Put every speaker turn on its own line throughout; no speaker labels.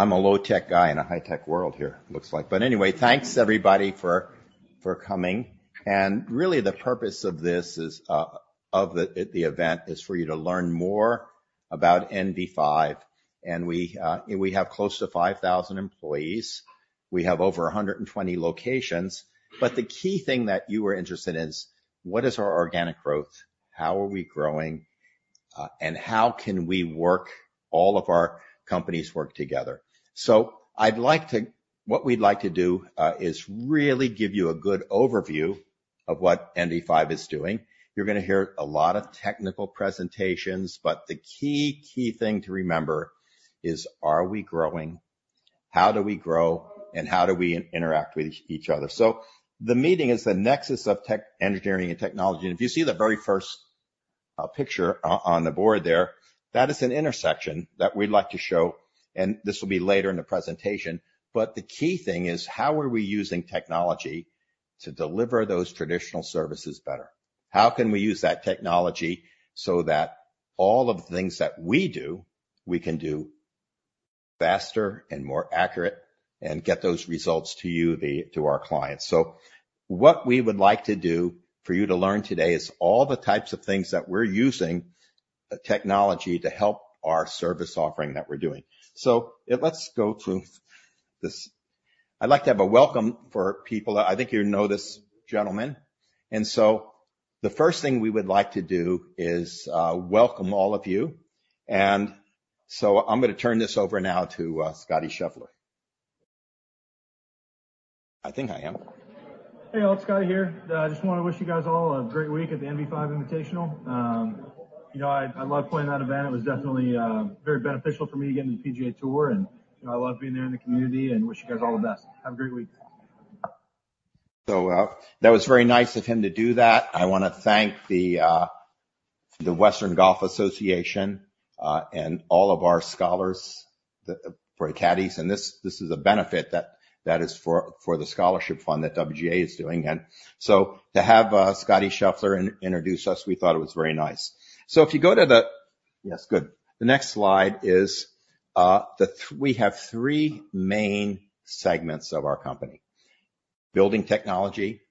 I'm a low-tech guy in a high-tech world here, looks like. But anyway, thanks, everybody, for coming. And really, the purpose of this is of the event is for you to learn more about NV5. And we have close to 5,000 employees. We have over 120 locations. But the key thing that you are interested in is: what is our organic growth? How are we growing? And how can we work, all of our companies work together? So what we'd like to do is really give you a good overview of what NV5 is doing. You're gonna hear a lot of technical presentations, but the key thing to remember is, are we growing? How do we grow, and how do we interact with each other? So the meeting is the nexus of tech engineering and technology, and if you see the very first picture on the board there, that is an intersection that we'd like to show, and this will be later in the presentation. But the key thing is, how are we using technology to deliver those traditional services better? How can we use that technology so that all of the things that we do, we can do faster and more accurate, and get those results to you, the, to our clients? So what we would like to do for you to learn today is all the types of things that we're using technology to help our service offering that we're doing. So let's go through this. I'd like to have a welcome for people. I think you know this gentleman, and so the first thing we would like to do is welcome all of you. And so I'm gonna turn this over now to Scottie Scheffler. I think I am. Hey, all, it's Scottie here. I just wanna wish you guys all a great week at the NV5 Invitational. You know, I love playing that event. It was definitely very beneficial for me to get in the PGA Tour, and, you know, I love being there in the community and wish you guys all the best. Have a great week. So, that was very nice of him to do that. I wanna thank the the Western Golf Association, and all of our scholars, for the caddies, and this is a benefit that is for the scholarship fund that WGA is doing. And so to have Scottie Scheffler introduce us, we thought it was very nice. So if you go to the... Yes, good. The next slide is we have three main segments of our company: Building Technology,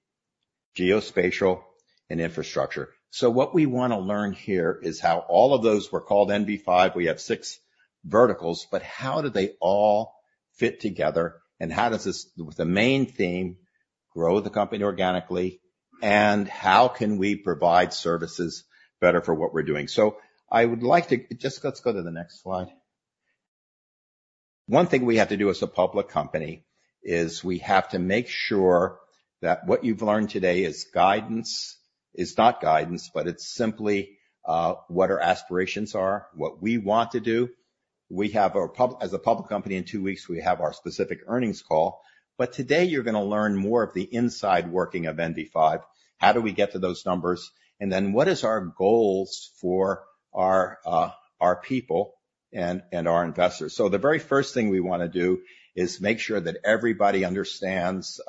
Geospatial, and Infrastructure. So what we wanna learn here is how all of those were called NV5. We have six verticals, but how do they all fit together? And how does this, with the main theme, grow the company organically, and how can we provide services better for what we're doing? So I would like to just let's go to the next slide. One thing we have to do as a public company is we have to make sure that what you've learned today is guidance, is not guidance, but it's simply, what our aspirations are, what we want to do. We have as a public company, in 2 weeks, we have our specific earnings call, but today you're gonna learn more of the inside working of NV5. How do we get to those numbers, and then what is our goals for our, our people and, and our investors? So the very first thing we wanna do is make sure that everybody understands,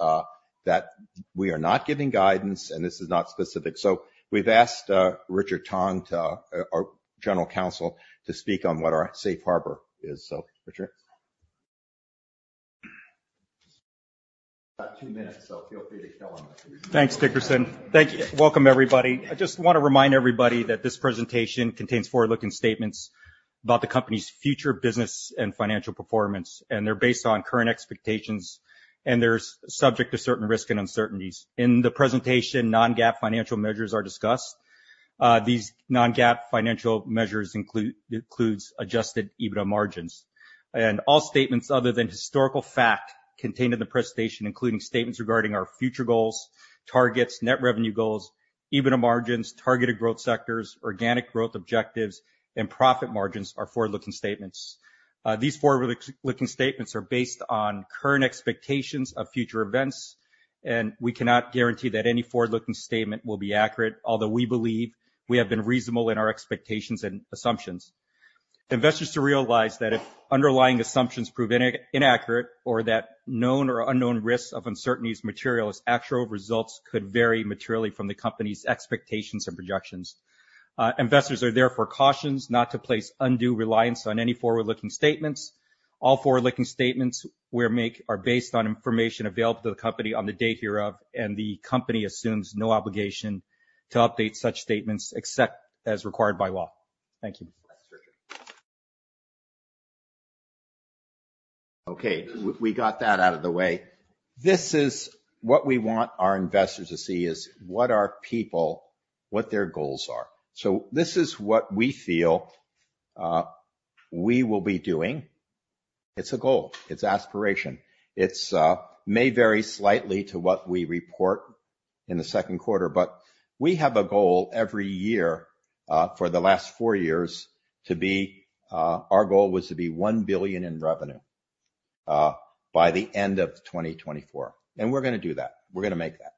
that we are not giving guidance, and this is not specific. So we've asked, Richard Tong, to, our General Counsel, to speak on what our safe harbor is. So, Richard?
About 2 minutes, so feel free to kill me. Thanks, Dickerson. Thank you. Welcome, everybody. I just wanna remind everybody that this presentation contains forward-looking statements about the company's future business and financial performance, and they're based on current expectations, and there's subject to certain risk and uncertainties. In the presentation, non-GAAP financial measures are discussed. These non-GAAP financial measures include, includes Adjusted EBITDA margins. And all statements other than historical fact contained in the presentation, including statements regarding our future goals, targets, net revenue goals, EBITDA margins, targeted growth sectors, organic growth objectives, and profit margins are forward-looking statements. These forward-looking statements are based on current expectations of future events, and we cannot guarantee that any forward-looking statement will be accurate, although we believe we have been reasonable in our expectations and assumptions. Investors should realize that if underlying assumptions prove inaccurate or that known or unknown risks or uncertainties materialize, actual results could vary materially from the company's expectations and projections. Investors are therefore cautioned not to place undue reliance on any forward-looking statements. All forward-looking statements we make are based on information available to the company on the date hereof, and the company assumes no obligation to update such statements, except as required by law. Thank you.
Thanks, Richard. Okay, we got that out of the way. This is what we want our investors to see, is what our people, what their goals are. So this is what we feel, we will be doing. It's a goal, it's aspiration. It's, may vary slightly to what we report in the second quarter, but we have a goal every year, for the last 4 years to be, our goal was to be $1 billion in revenue, by the end of 2024. And we're gonna do that. We're gonna make that.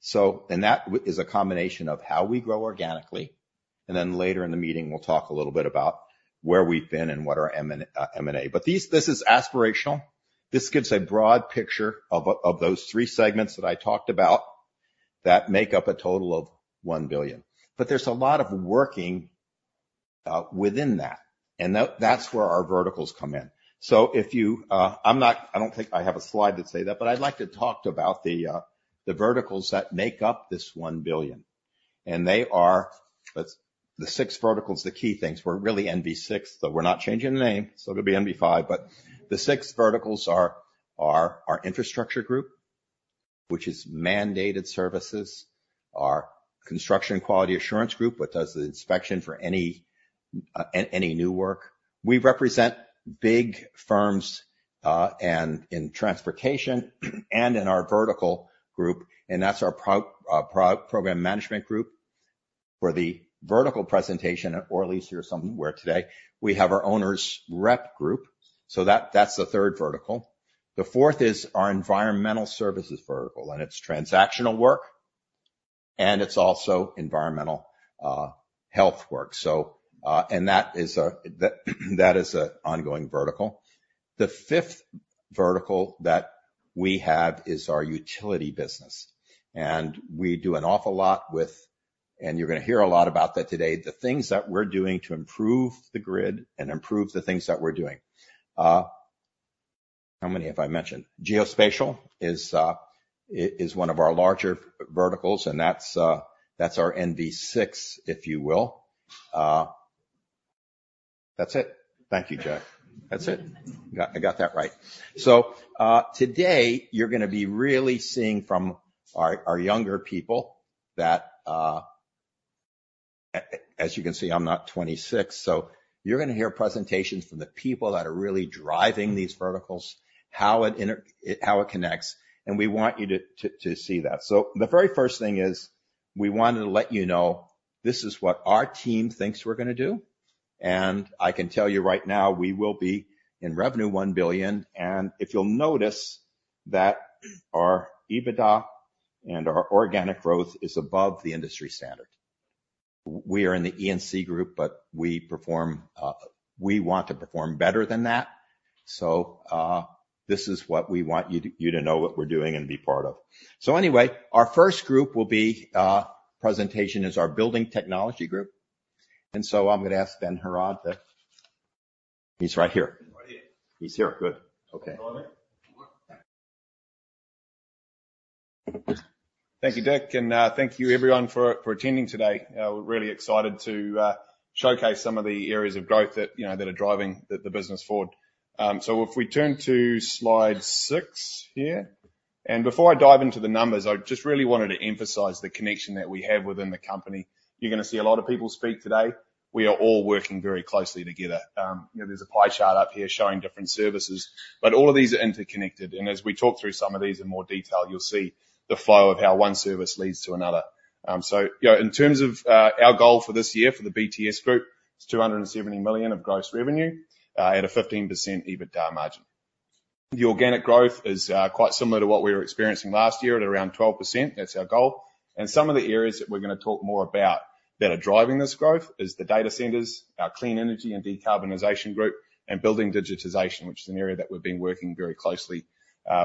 So, and that is a combination of how we grow organically, and then later in the meeting, we'll talk a little bit about where we've been and what are M&A. But this is aspirational. This gives a broad picture of, of those three segments that I talked about.... that make up a total of $1 billion. But there's a lot of working within that, and that's where our verticals come in. So if you, I'm not—I don't think I have a slide that say that, but I'd like to talk about the verticals that make up this $1 billion, and they are the six verticals, the key things. We're really NV6, but we're not changing the name, so it'll be NV5. But the six verticals Infrastructure group, which is mandated services, our Construction Quality Assurance group, which does the inspection for any new work. We represent big firms and in transportation, and in our vertical group, and that's our pro Program Management group, where the vertical presentation, or at least hear something where today we have our owners' rep group. So that, that's the third vertical. The fourth is our Environmental Services vertical, and it's transactional work, and it's also environmental health work. And that is an ongoing vertical. The fifth vertical that we have is our Utility business, and we do an awful lot with, and you're gonna hear a lot about that today, the things that we're doing to improve the grid and improve the things that we're doing. How many have I mentioned? Geospatial is one of our larger verticals, and that's our NV6, if you will. That's it. Thank you, Jeff. That's it. I got that right. So, today, you're gonna be really seeing from our younger people that, as you can see, I'm not 26, so you're gonna hear presentations from the people that are really driving these verticals, how it connects, and we want you to see that. So the very first thing is, we want to let you know, this is what our team thinks we're gonna do, and I can tell you right now, we will be in revenue $1 billion. And if you'll notice that our EBITDA and our organic growth is above the industry standard. We are in the E&C group, but we perform, we want to perform better than that. So, this is what we want you to know what we're doing and be part of. So anyway, our first group will be, presentation is our building technology group, and so I'm gonna ask Ben Heraud to... He's right here.
Right here.
He's here. Good. Okay.
Thank you, Dick, and thank you everyone for attending today. We're really excited to showcase some of the areas of growth that, you know, that are driving the business forward. So if we turn to slide 6 here, and before I dive into the numbers, I just really wanted to emphasize the connection that we have within the company. You're gonna see a lot of people speak today. We are all working very closely together. You know, there's a pie chart up here showing different services, but all of these are interconnected, and as we talk through some of these in more detail, you'll see the flow of how one service leads to another. So, you know, in terms of our goal for this year, for the BTS group, it's $270 million of gross revenue at a 15% EBITDA margin. The organic growth is quite similar to what we were experiencing last year at around 12%. That's our goal. And some of the areas that we're gonna talk more about that are driving this growth is the data centers, our Clean Energy and Decarbonization group, and Building Digitization, which is an area that we've been working very closely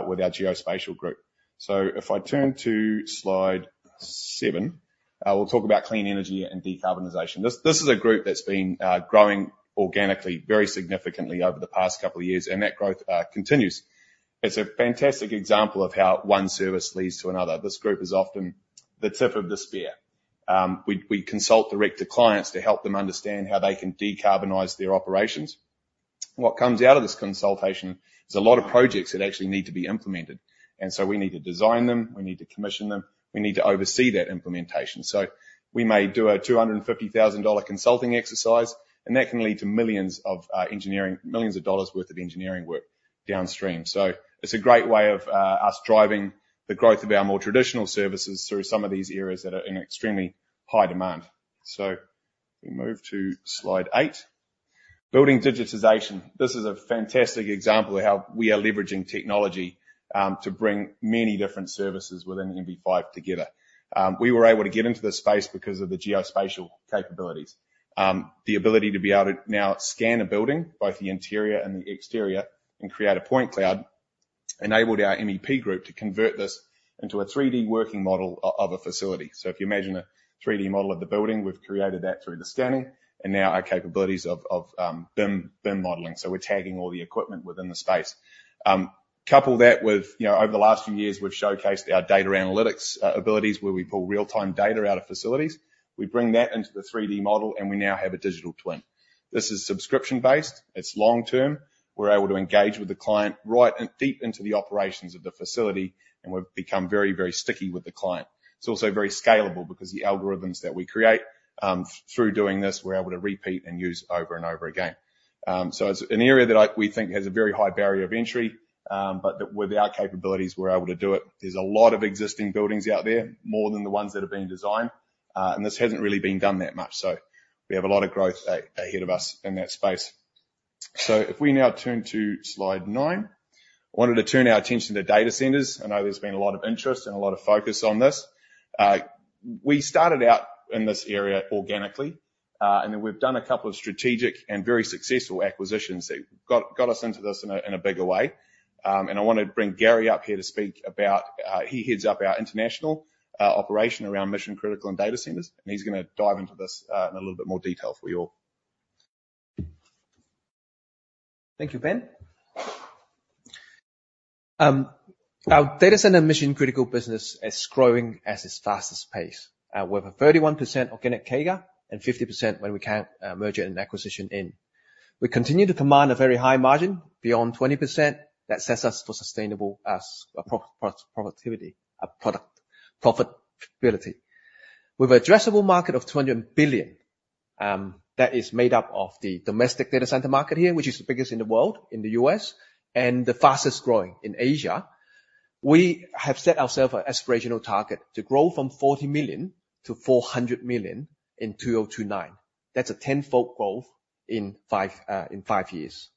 with Geospatial group. So if I turn to slide 7, we'll talk about Clean Energy and Decarbonization. This, this is a group that's been growing organically, very significantly over the past couple of years, and that growth continues. It's a fantastic example of how one service leads to another. This group is often the tip of the spear. We consult direct to clients to help them understand how they can decarbonize their operations. What comes out of this consultation is a lot of projects that actually need to be implemented, and so we need to design them, we need to commission them, we need to oversee that implementation. So we may do a $250,000 consulting exercise, and that can lead to millions of engineering, millions of dollars worth of engineering work downstream. So it's a great way of us driving the growth of our more traditional services through some of these areas that are in extremely high demand. So we move to slide 8. Building digitization. This is a fantastic example of how we are leveraging technology to bring many different services within NV5 together. We were able to get into this space because of the Geospatial capabilities. The ability to be able to now scan a building, both the interior and the exterior, and create a point cloud, enabled our MEP group to convert this into a 3D working model of a facility. So if you imagine a 3D model of the building, we've created that through the scanning and now our capabilities of BIM modeling, so we're tagging all the equipment within the space. Couple that with, you know, over the last few years, we've showcased our data analytics abilities, where we pull real-time data out of facilities. We bring that into the 3D model, and we now have a digital twin. This is subscription-based. It's long-term. We're able to engage with the client right and deep into the operations of the facility, and we've become very, very sticky with the client. It's also very scalable because the algorithms that we create, through doing this, we're able to repeat and use over and over again. So it's an area that we think has a very high barrier of entry, but with our capabilities, we're able to do it. There's a lot of existing buildings out there, more than the ones that have been designed, and this hasn't really been done that much, so we have a lot of growth ahead of us in that space. So if we now turn to slide nine, I wanted to turn our attention to data centers. I know there's been a lot of interest and a lot of focus on this. We started out in this area organically. And then we've done a couple of strategic and very successful acquisitions that got us into this in a bigger way. And I want to bring Gary up here to speak about, he heads up our international operation around mission-critical and data centers, and he's gonna dive into this in a little bit more detail for you all.
Thank you, Ben. Our data center mission-critical business is growing at its fastest pace, with a 31% organic CAGR and 50% when we count merger and acquisition in. We continue to command a very high margin, beyond 20%, that sets us for sustainable productivity, product profitability. With an addressable market of $200 billion, that is made up of the domestic data center market here, which is the biggest in the world, in the US, and the fastest growing in Asia, we have set ourselves an aspirational target to grow from $40 million to $400 million in 2029. That's a tenfold growth in five years.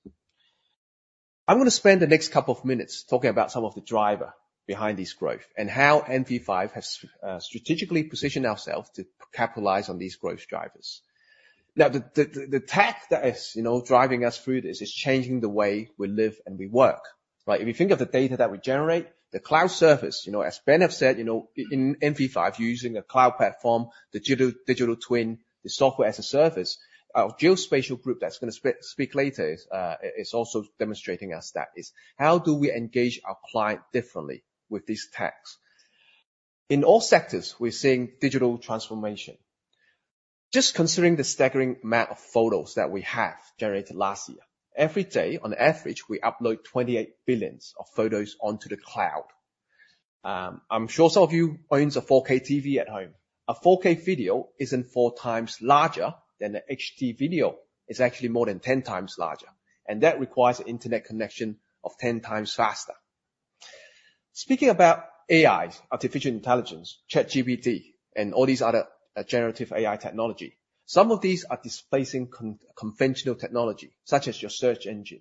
I'm gonna spend the next couple of minutes talking about some of the driver behind this growth, and how NV5 has strategically positioned ourselves to capitalize on these growth drivers. Now, the tech that is, you know, driving us through this is changing the way we live and we work, right? If you think of the data that we generate, the cloud service, you know, as Ben have said, you know, in NV5, using a cloud platform, digital twin, the software as a service. Our Geospatial group, that's gonna speak later, is also demonstrating us that, is how do we engage our client differently with these tasks? In all sectors, we're seeing digital transformation. Just considering the staggering amount of photos that we have generated last year, every day, on average, we upload 28 billion photos onto the cloud. I'm sure some of you own a 4K TV at home. A 4K video isn't 4 times larger than a HD video, it's actually more than 10 times larger, and that requires internet connection of 10 times faster. Speaking about AI, artificial intelligence, ChatGPT, and all these other generative AI technology, some of these are displacing conventional technology, such as your search engine.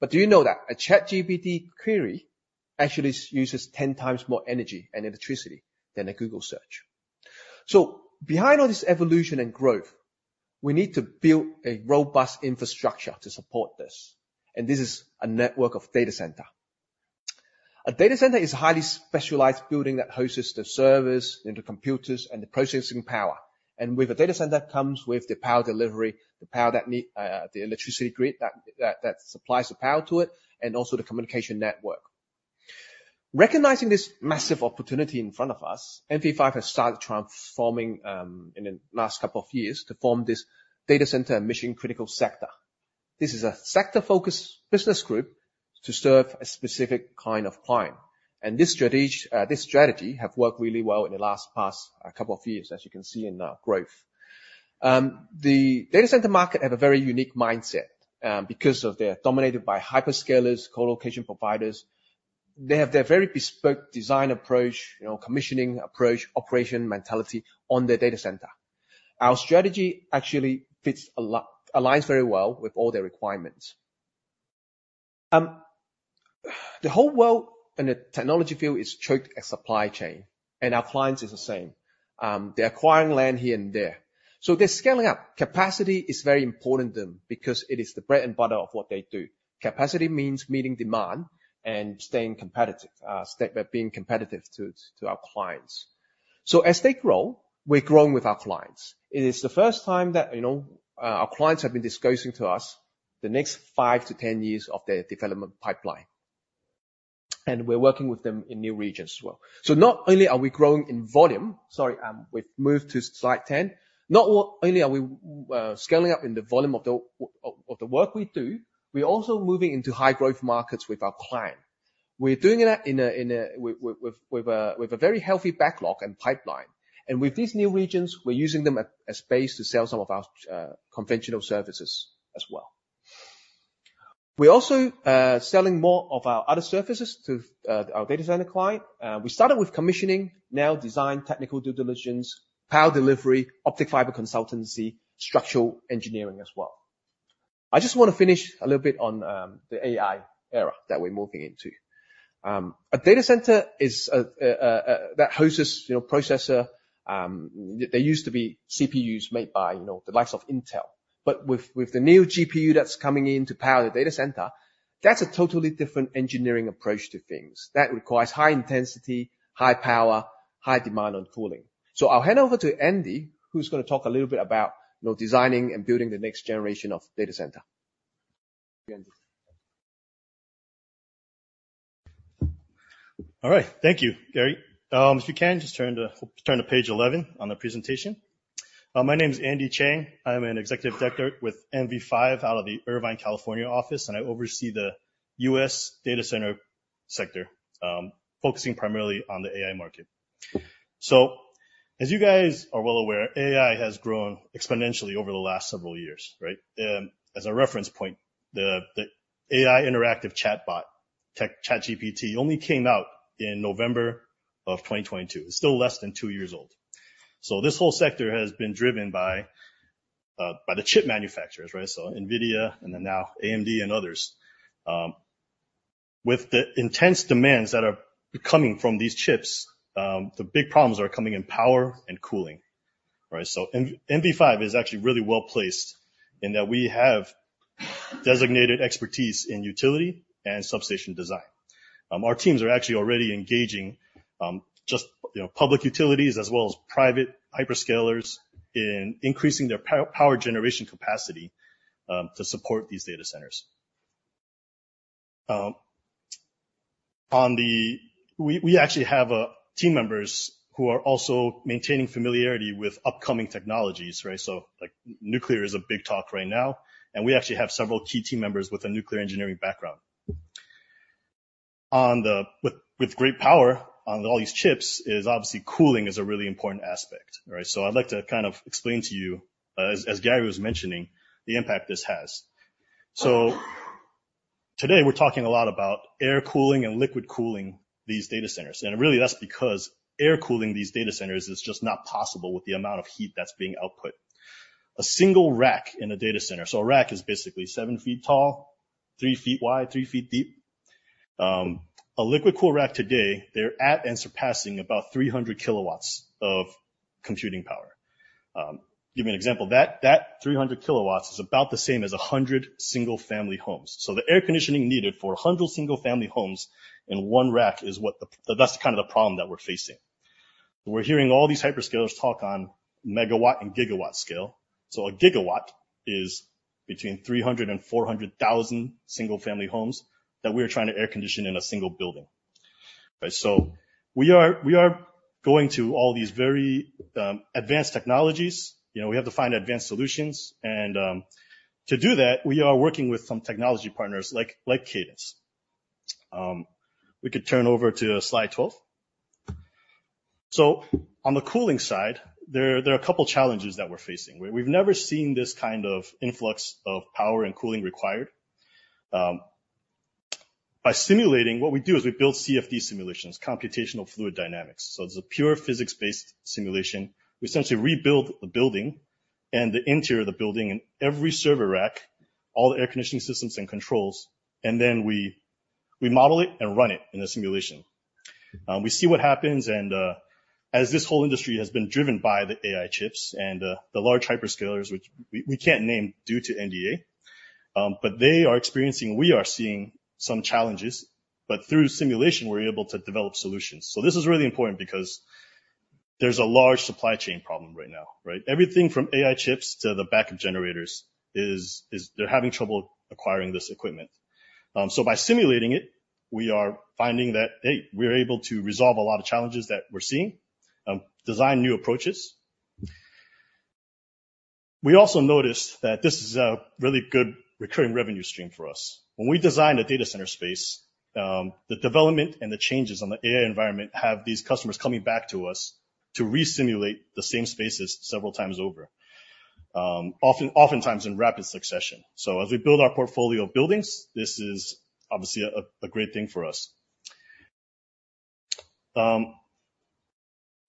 But do you know that a ChatGPT query actually uses 10 times more energy and electricity than a Google search? So behind all this evolution and growth, we need to build a robust infrastructure to support this, and this is a network of data center. A data center is a highly specialized building that hosts the servers, and the computers, and the processing power. And with a data center comes with the power delivery, the power that needs the electricity grid that supplies the power to it, and also the communication network. Recognizing this massive opportunity in front of us, NV5 has started transforming in the last couple of years to form this Data Center and Mission Critical sector. This is a sector-focused business group to serve a specific kind of client. And this strategy have worked really well in the last past couple of years, as you can see in our growth. The data center market have a very unique mindset because they're dominated by hyperscalers, colocation providers. They have their very bespoke design approach, you know, commissioning approach, operation mentality on their data center. Our strategy actually fits a lot, aligns very well with all their requirements. The whole world in the technology field is choked at supply chain, and our clients is the same. They're acquiring land here and there, so they're scaling up. Capacity is very important to them because it is the bread and butter of what they do. Capacity means meeting demand and staying competitive, by being competitive to our clients. So as they grow, we're growing with our clients. It is the first time that, you know, our clients have been disclosing to us the next 5-10 years of their development pipeline, and we're working with them in new regions as well. So not only are we growing in volume... Sorry, we've moved to slide 10. Not only are we scaling up in the volume of the work we do, we're also moving into high growth markets with our client. We're doing it with a very healthy backlog and pipeline. And with these new regions, we're using them as a base to sell some of our conventional services as well. We're also selling more of our other services to our data center client. We started with commissioning, now design, technical due diligence, power delivery, optic fiber consultancy, structural engineering as well. I just want to finish a little bit on the AI era that we're moving into. A data center is a that hosts, you know, processor. They used to be CPUs made by, you know, the likes of Intel. But with the new GPU that's coming in to power the data center, that's a totally different engineering approach to things that requires high intensity, high power, high demand on cooling. So I'll hand over to Andy, who's gonna talk a little bit about designing and building the next generation of data center. Andy?
All right. Thank you, Gary. If you can just turn to page 11 on the presentation. My name is Andy Chang. I'm an executive director with NV5 out of the Irvine, California, office, and I oversee the US Data Center sector, focusing primarily on the AI market. So as you guys are well aware, AI has grown exponentially over the last several years, right? As a reference point, the AI interactive chatbot, ChatGPT, only came out in November 2022. It's still less than two years old. So this whole sector has been driven by the chip manufacturers, right? So NVIDIA, and then now AMD and others. With the intense demands that are coming from these chips, the big problems are coming in power and cooling. Right, so NV5 is actually really well-placed in that we have designated expertise in utility and substation design. Our teams are actually already engaging, just, you know, public utilities as well as private hyperscalers in increasing their power generation capacity, to support these data centers. We actually have team members who are also maintaining familiarity with upcoming technologies, right? So, like, nuclear is a big talk right now, and we actually have several key team members with a nuclear engineering background. With great power on all these chips is obviously cooling is a really important aspect, right? So I'd like to kind of explain to you, as Gary was mentioning, the impact this has. So today, we're talking a lot about air cooling and liquid cooling these data centers, and really, that's because air cooling these data centers is just not possible with the amount of heat that's being output. A single rack in a data center, so a rack is basically 7 feet tall, 3 feet wide, 3 feet deep. A liquid cool rack today, they're at and surpassing about 300 kW of computing power. Give you an example, that, that 300 kW is about the same as 100 single-family homes. So the air conditioning needed for 100 single-family homes in one rack is what the, that's kind of the problem that we're facing. We're hearing all these hyperscalers talk on MW and GW scale. So a gigawatt is between 300 and 400 thousand single-family homes that we're trying to air condition in a single building. Right, so we are going to all these very advanced technologies. You know, we have to find advanced solutions, and to do that, we are working with some technology partners like Cadence. We could turn over to slide 12. So on the cooling side, there are a couple challenges that we're facing. We've never seen this kind of influx of power and cooling required. By simulating, what we do is we build CFD simulations, computational fluid dynamics, so it's a pure physics-based simulation. We essentially rebuild the building and the interior of the building and every server rack, all the air conditioning systems and controls, and then we model it and run it in a simulation. We see what happens, and as this whole industry has been driven by the AI chips and the large hyperscalers, which we can't name due to NDA, but they are experiencing. We are seeing some challenges, but through simulation, we're able to develop solutions. So this is really important because there's a large supply chain problem right now, right? Everything from AI chips to the backup generators is they're having trouble acquiring this equipment. So by simulating it, we are finding that, hey, we're able to resolve a lot of challenges that we're seeing, design new approaches. We also noticed that this is a really good recurring revenue stream for us. When we design a data center space, the development and the changes on the AI environment have these customers coming back to us to resimulate the same spaces several times over, often-oftentimes in rapid succession. So as we build our portfolio of buildings, this is obviously a great thing for us.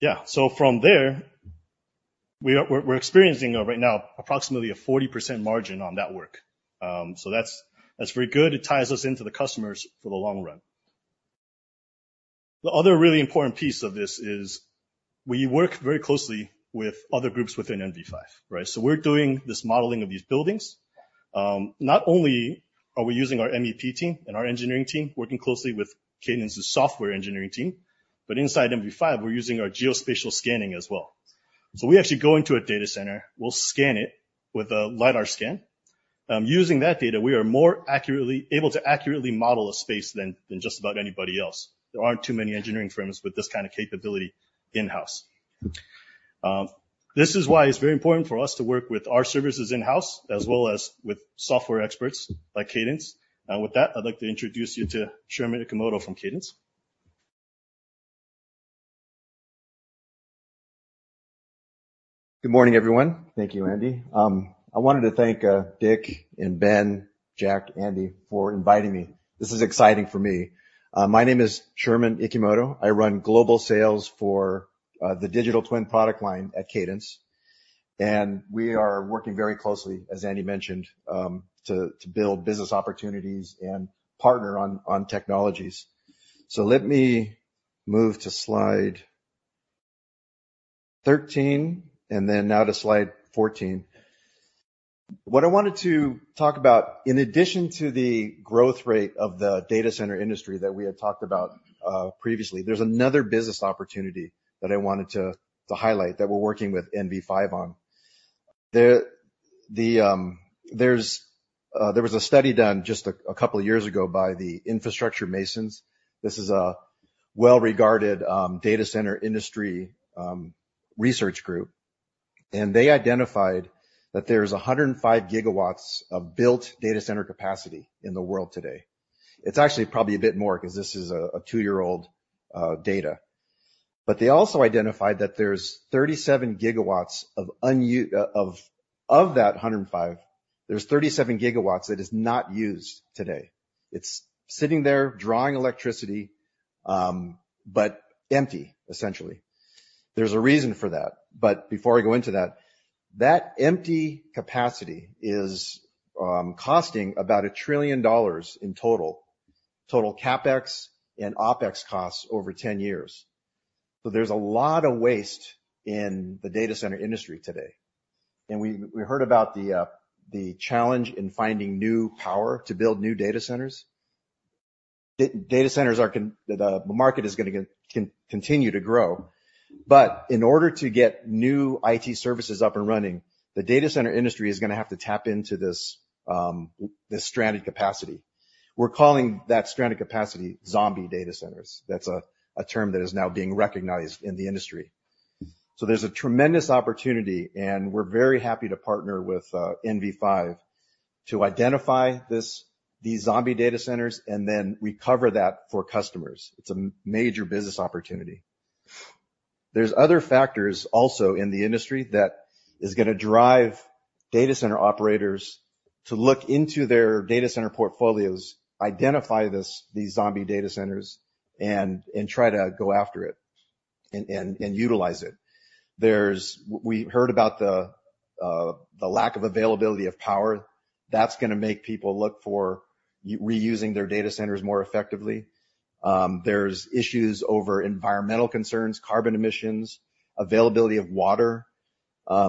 Yeah, so from there, we're experiencing right now approximately a 40% margin on that work. So that's very good. It ties us into the customers for the long run. The other really important piece of this is we work very closely with other groups within NV5, right? So we're doing this modeling of these buildings. Not only are we using our MEP team and our engineering team, working closely with Cadence's software engineering team, but inside NV5, we're using our geospatial scanning as well. We actually go into a data center, we'll scan it with a LiDAR scan. Using that data, we are able to accurately model a space than just about anybody else. There aren't too many engineering firms with this kind of capability in-house. This is why it's very important for us to work with our services in-house as well as with software experts like Cadence. With that, I'd like to introduce you to Sherman Ikemoto from Cadence.
Good morning, everyone. Thank you, Andy. I wanted to thank Dick and Ben, Jack, Andy, for inviting me. This is exciting for me. My name is Sherman Ikemoto. I run global sales for the digital twin product line at Cadence, and we are working very closely, as Andy mentioned, to build business opportunities and partner on technologies. So let me move to slide 13, and then now to slide 14. What I wanted to talk about, in addition to the growth rate of the data center industry that we had talked about previously, there's another business opportunity that I wanted to highlight that we're working with NV5 on. There was a study done just a couple of years ago by the Infrastructure Masons. This is a well-regarded, data center industry, research group, and they identified that there's 105 gigawatts of built data center capacity in the world today. It's actually probably a bit more 'cause this is a, a two-year-old, data. But they also identified that there's 37 gigawatts of, of that 105, there's 37 gigawatts that is not used today. It's sitting there, drawing electricity, but empty, essentially. There's a reason for that, but before I go into that, that empty capacity is, costing about $1 trillion in total, total CapEx and OpEx costs over 10 years. So there's a lot of waste in the data center industry today, and we, we heard about the, the challenge in finding new power to build new data centers. Data centers are the market is gonna continue to grow, but in order to get new IT services up and running, the data center industry is gonna have to tap into this this stranded capacity. We're calling that stranded capacity zombie data centers. That's a term that is now being recognized in the industry. So there's a tremendous opportunity, and we're very happy to partner with NV5 to identify these zombie data centers and then recover that for customers. It's a major business opportunity. There's other factors also in the industry that is gonna drive data center operators to look into their data center portfolios, identify these zombie data centers, and utilize it. We heard about the lack of availability of power. That's gonna make people look for reusing their data centers more effectively. There's issues over environmental concerns, carbon emissions, availability of water.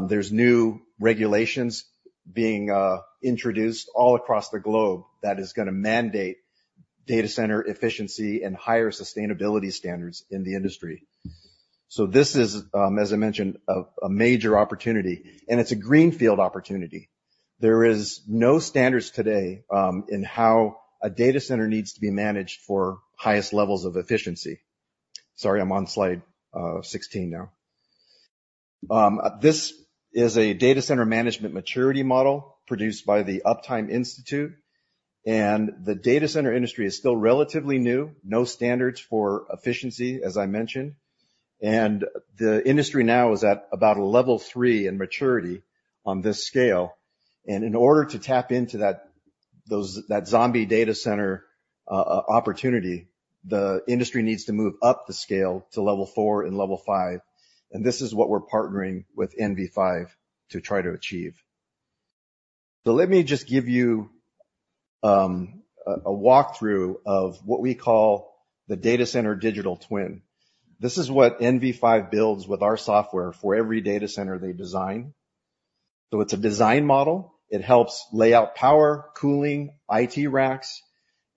There's new regulations being introduced all across the globe that is gonna mandate data center efficiency and higher sustainability standards in the industry. So this is, as I mentioned, a major opportunity, and it's a greenfield opportunity. There is no standards today in how a data center needs to be managed for highest levels of efficiency. Sorry, I'm on slide 16 now. This is a data center management maturity model produced by the Uptime Institute, and the data center industry is still relatively new, no standards for efficiency, as I mentioned, and the industry now is at about a level 3 in maturity on this scale. In order to tap into that, those, that zombie data center opportunity, the industry needs to move up the scale to level four and level five, and this is what we're partnering with NV5 to try to achieve. Let me just give you a walkthrough of what we call the data center digital twin. This is what NV5 builds with our software for every data center they design. It's a design model. It helps lay out power, cooling, IT racks,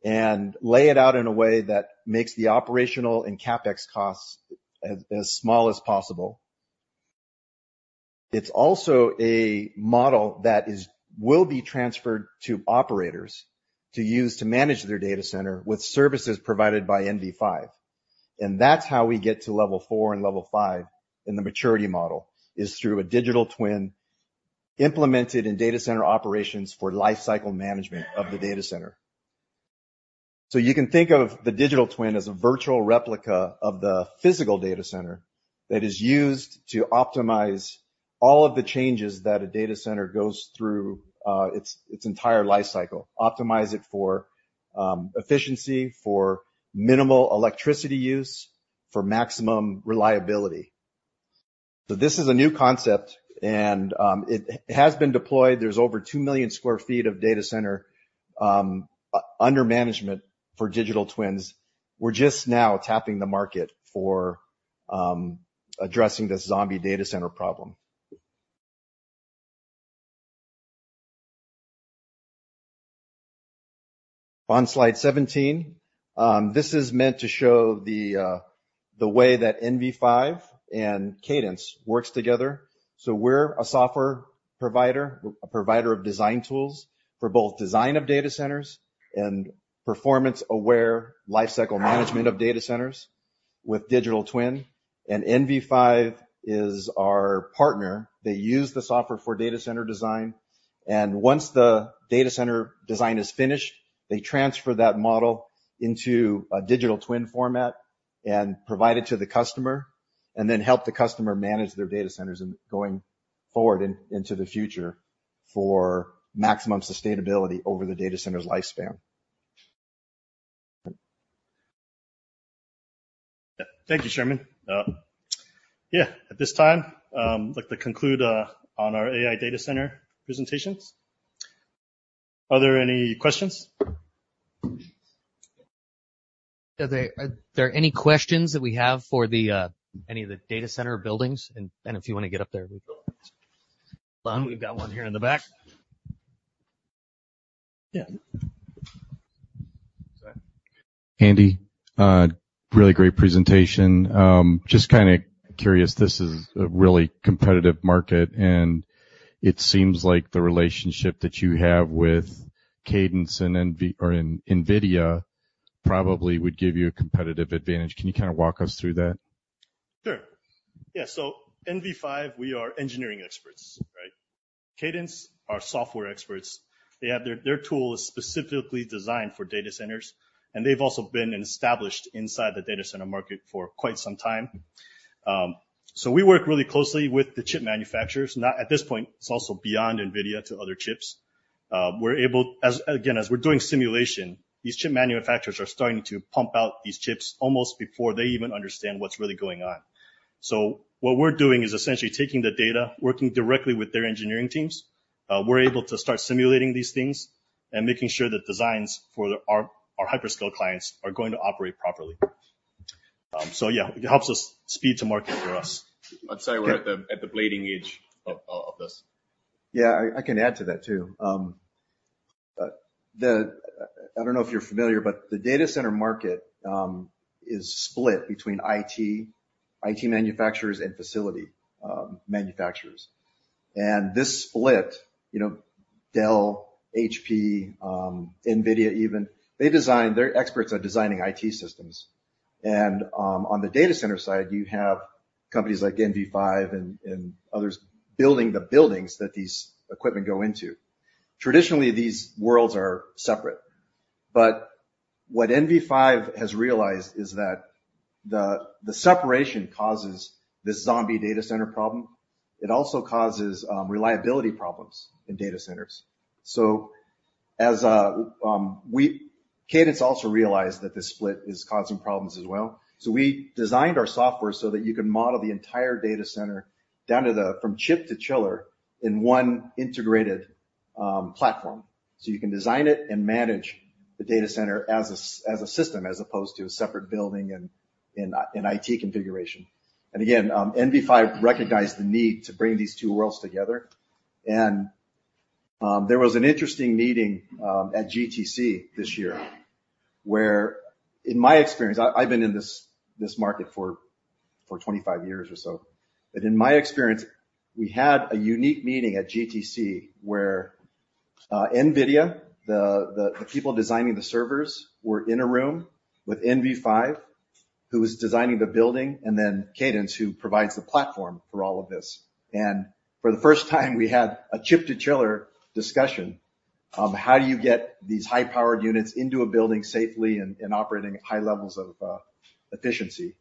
and lay it out in a way that makes the operational and CapEx costs as small as possible. It's also a model that is... will be transferred to operators to use to manage their data center with services provided by NV5, and that's how we get to level four and level five in the maturity model, is through a digital twin implemented in data center operations for lifecycle management of the data center. So you can think of the digital twin as a virtual replica of the physical data center that is used to optimize all of the changes that a data center goes through, its entire life cycle, optimize it for efficiency, for minimal electricity use, for maximum reliability. So this is a new concept, and it has been deployed. There's over 2 million sq ft of data center under management for digital twins. We're just now tapping the market for addressing this zombie data center problem. On slide 17, this is meant to show the way that NV5 and Cadence works together. So we're a software provider, a provider of design tools for both design of data centers and performance-aware lifecycle management of data centers with digital Twin. And NV5 is our partner. They use the software for data center design, and once the data center design is finished, they transfer that model into a Digital Twin format and provide it to the customer, and then help the customer manage their data centers going forward into the future for maximum sustainability over the data center's lifespan.
Yeah. Thank you, Sherman. Yeah, at this time, I'd like to conclude on our AI data center presentations. Are there any questions?
Are there any questions that we have for any of the data center buildings? And if you want to get up there, we've got one here in the back. Yeah.
Go ahead.
Andy, really great presentation. Just kind of curious, this is a really competitive market, and it seems like the relationship that you have with Cadence and NVIDIA probably would give you a competitive advantage. Can you kind of walk us through that?
Sure. Yeah, so NV5, we are engineering experts, right? Cadence are software experts. They have their tool is specifically designed for data centers, and they've also been established inside the data center market for quite some time. So we work really closely with the chip manufacturers, not at this point, it's also beyond NVIDIA to other chips. Again, as we're doing simulation, these chip manufacturers are starting to pump out these chips almost before they even understand what's really going on. So what we're doing is essentially taking the data, working directly with their engineering teams. We're able to start simulating these things and making sure that designs for our hyperscale clients are going to operate properly. So yeah, it helps us speed to market for us.
I'd say we're at the bleeding edge of this.
Yeah, I can add to that, too. I don't know if you're familiar, but the data center market is split between IT manufacturers and facility manufacturers. And this split, you know, Dell, HP, NVIDIA even, they design. They're experts at designing IT systems. And on the data center side, you have companies like NV5 and others building the buildings that these equipment go into. Traditionally, these worlds are separate. But what NV5 has realized is that the separation causes this zombie data center problem. It also causes reliability problems in data centers. So Cadence also realized that this split is causing problems as well, so we designed our software so that you can model the entire data center down to the from chip to chiller in one integrated platform. So you can design it and manage the data center as a system, as opposed to a separate building and IT configuration. And again, NV5 recognized the need to bring these two worlds together, and there was an interesting meeting at GTC this year, where in my experience, I've been in this market for 25 years or so, but in my experience, we had a unique meeting at GTC, where NVIDIA, the people designing the servers, were in a room with NV5, who was designing the building, and then Cadence, who provides the platform for all of this. And for the first time, we had a chip to chiller discussion on how do you get these high-powered units into a building safely and operating at high levels of efficiency.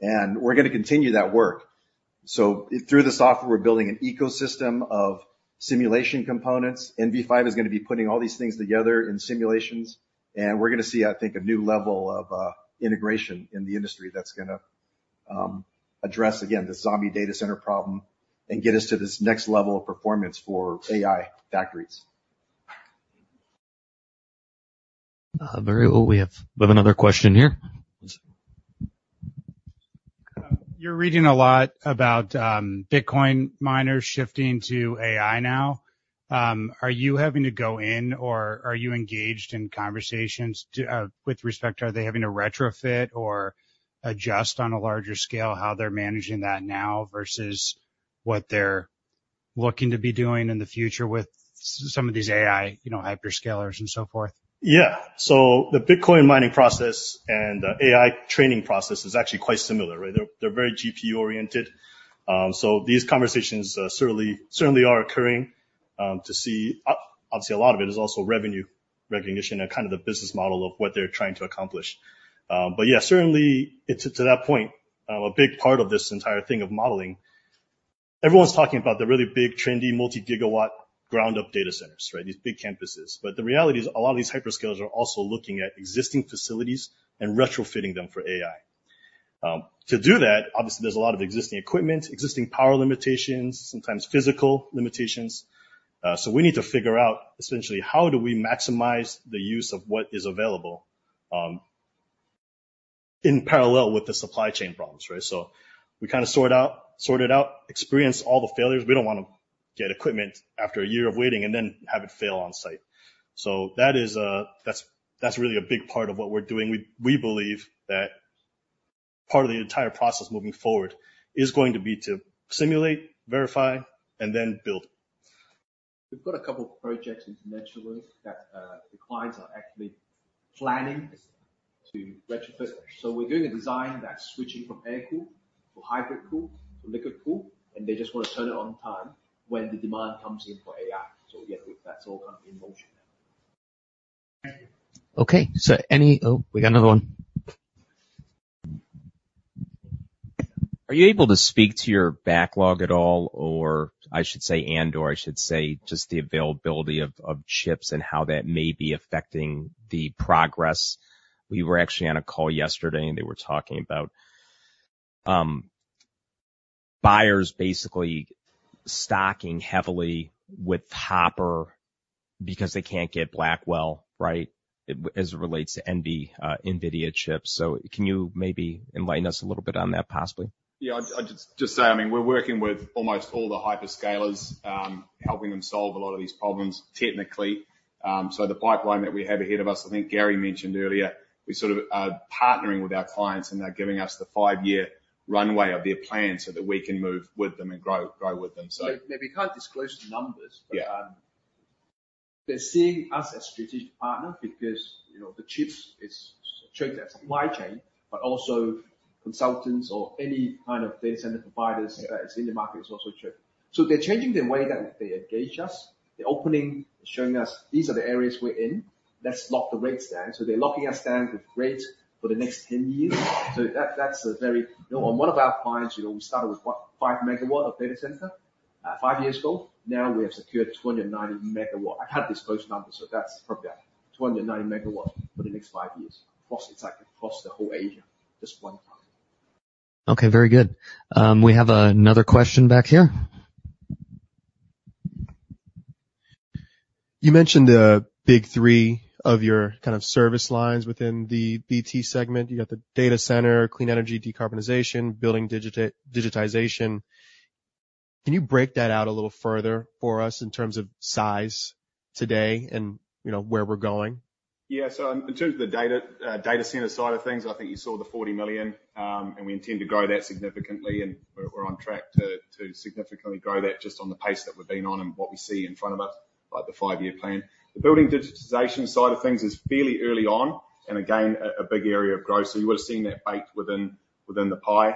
And we're gonna continue that work. So through the software, we're building an ecosystem of simulation components. NV5 is gonna be putting all these things together in simulations, and we're gonna see, I think, a new level of integration in the industry that's gonna address, again, the zombie data center problem and get us to this next level of performance for AI factories.
Very well. We have another question here.
You're reading a lot about Bitcoin miners shifting to AI now. Are you having to go in, or are you engaged in conversations to, with respect, are they having to retrofit or adjust on a larger scale, how they're managing that now versus what they're looking to be doing in the future with some of these AI, you know, hyperscalers and so forth?
Yeah. So the Bitcoin mining process and the AI training process is actually quite similar, right? They're, they're very GPU oriented. So these conversations certainly, certainly are occurring to see, obviously, a lot of it is also revenue recognition and kind of the business model of what they're trying to accomplish. But yeah, certainly, it's to that point, a big part of this entire thing of modeling. Everyone's talking about the really big, trendy, multi-gigawatt, ground-up data centers, right? These big campuses. But the reality is, a lot of these hyperscalers are also looking at existing facilities and retrofitting them for AI. To do that, obviously, there's a lot of existing equipment, existing power limitations, sometimes physical limitations. So we need to figure out, essentially, how do we maximize the use of what is available, in parallel with the supply chain problems, right? So we kinda sort it out, experience all the failures. We don't wanna get equipment after a year of waiting and then have it fail on site. So that is, that's really a big part of what we're doing. We believe that part of the entire process moving forward is going to be to simulate, verify, and then build.
We've got a couple of projects internationally that the clients are actually planning to retrofit. So we're doing a design that's switching from air cool to hybrid cool to liquid cool, and they just want to turn it on time when the demand comes in for AI. So yeah, that's all kind of in motion now.
Thank you.
Okay, so... Oh, we got another one.
Are you able to speak to your backlog at all, or I should say, and/or I should say, just the availability of chips and how that may be affecting the progress? We were actually on a call yesterday, and they were talking about buyers basically stocking heavily with Hopper because they can't get Blackwell, right? As it relates to NV, NVIDIA chips. So can you maybe enlighten us a little bit on that, possibly?
Yeah, I'd just say, I mean, we're working with almost all the hyperscalers, helping them solve a lot of these problems technically. So the pipeline that we have ahead of us, I think Gary mentioned earlier, we sort of are partnering with our clients, and they're giving us the five-year runway of their plan so that we can move with them and grow, grow with them. So-
Maybe we can't disclose the numbers-
Yeah...
but, they're seeing us as a strategic partner because, you know, the chips, it's changed their supply chain, but also consultants or any kind of data center providers-
Yeah
In the market, it's also changed. So they're changing the way that they engage us. They're opening, showing us, these are the areas we're in....
Let's lock the rates down. So they're locking us down with rates for the next 10 years. So that, that's a very. You know, on one of our clients, you know, we started with what? 5 MW of data center, 5 years ago. Now we have secured 29 MW. I've had this close number, so that's probably 29 MW for the next 5 years. Plus, it's like across the whole Asia, just one time.
Okay, very good. We have another question back here.
You mentioned the big three of your kind of service lines within the BT segment. You got the data center, clean energy, decarbonization, building digitization. Can you break that out a little further for us in terms of size today and, you know, where we're going?
Yeah. So in terms of the data, data center side of things, I think you saw the $40 million, and we intend to grow that significantly, and we're on track to significantly grow that just on the pace that we've been on and what we see in front of us, like the five-year plan. The building digitization side of things is fairly early on, and again, a big area of growth. So you would have seen that baked within the pie.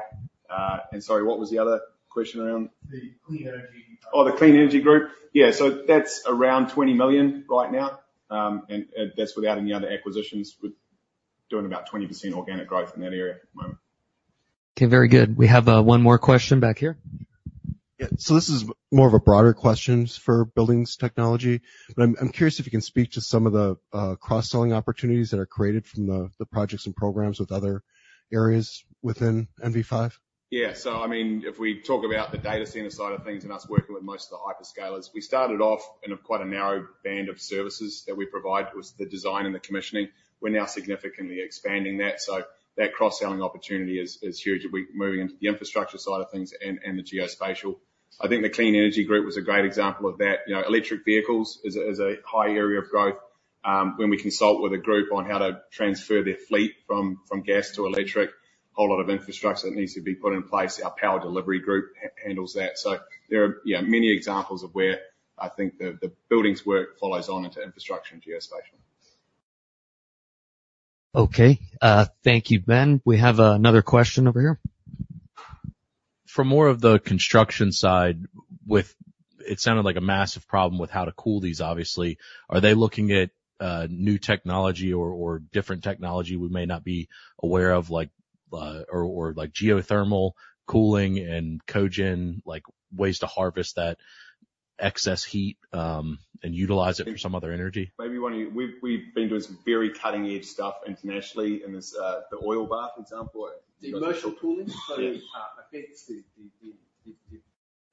And sorry, what was the other question around?
The clean energy.
Oh, the clean energy group? Yeah, so that's around $20 million right now, and that's without any other acquisitions. We're doing about 20% organic growth in that area at the moment.
Okay, very good. We have one more question back here.
Yeah. So this is more of a broader question for Building Technology, but I'm curious if you can speak to some of the cross-selling opportunities that are created from the projects and programs with other areas within NV5?
Yeah. So, I mean, if we talk about the data center side of things and us working with most of the hyperscalers, we started off in quite a narrow band of services that we provide, was the design and the commissioning. We're now significantly expanding that, so that cross-selling opportunity is huge. We're moving into the infrastructure side of things and the geospatial. I think the clean energy group was a great example of that. You know, electric vehicles is a high area of growth. When we consult with a group on how to transfer their fleet from gas to electric, a whole lot of infrastructure that needs to be put in place. Our power delivery group handles that. So there are, yeah, many examples of where I think the buildings work follows on into infrastructure and geospatial.
Okay. Thank you, Ben. We have another question over here.
For more of the construction side. It sounded like a massive problem with how to cool these, obviously. Are they looking at new technology or different technology we may not be aware of, like geothermal cooling and cogen, like ways to harvest that excess heat and utilize it for some other energy?
Maybe one of you, we've been doing some very cutting-edge stuff internationally in this, the oil bath, for example.
The commercial cooling?
Yes.
I think the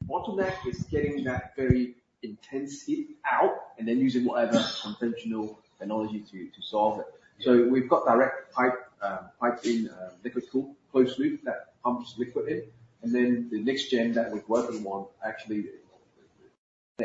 bottleneck is getting that very intense heat out and then using whatever conventional technology to solve it. So we've got direct pipe, pipe in, liquid cool, closed loop that pumps liquid in. And then the next gen that we're working on actually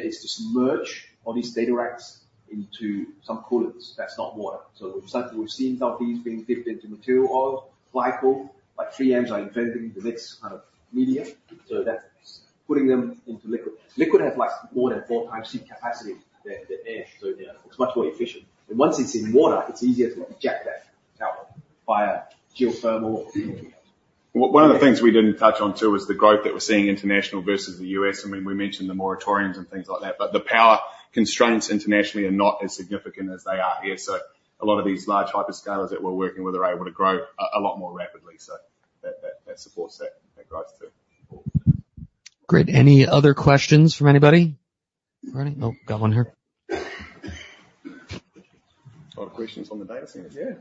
is to submerge all these data racks into some coolants that's not water. So we've started, we've seen some of these being dipped into mineral oil, glycol, like 3M are inventing the next kind of media. So that's putting them into liquid. Liquid has, like, more than 4 times heat capacity than the air, so yeah, it's much more efficient. And once it's in water, it's easier to eject that out via geothermal.
One of the things we didn't touch on, too, was the growth that we're seeing international versus the U.S. I mean, we mentioned the moratoriums and things like that, but the power constraints internationally are not as significant as they are here. So a lot of these large hyperscalers that we're working with are able to grow a lot more rapidly, so that supports that growth, too.
Great. Any other questions from anybody? All right. Oh, got one here.
A lot of questions on the data centers.
Yeah.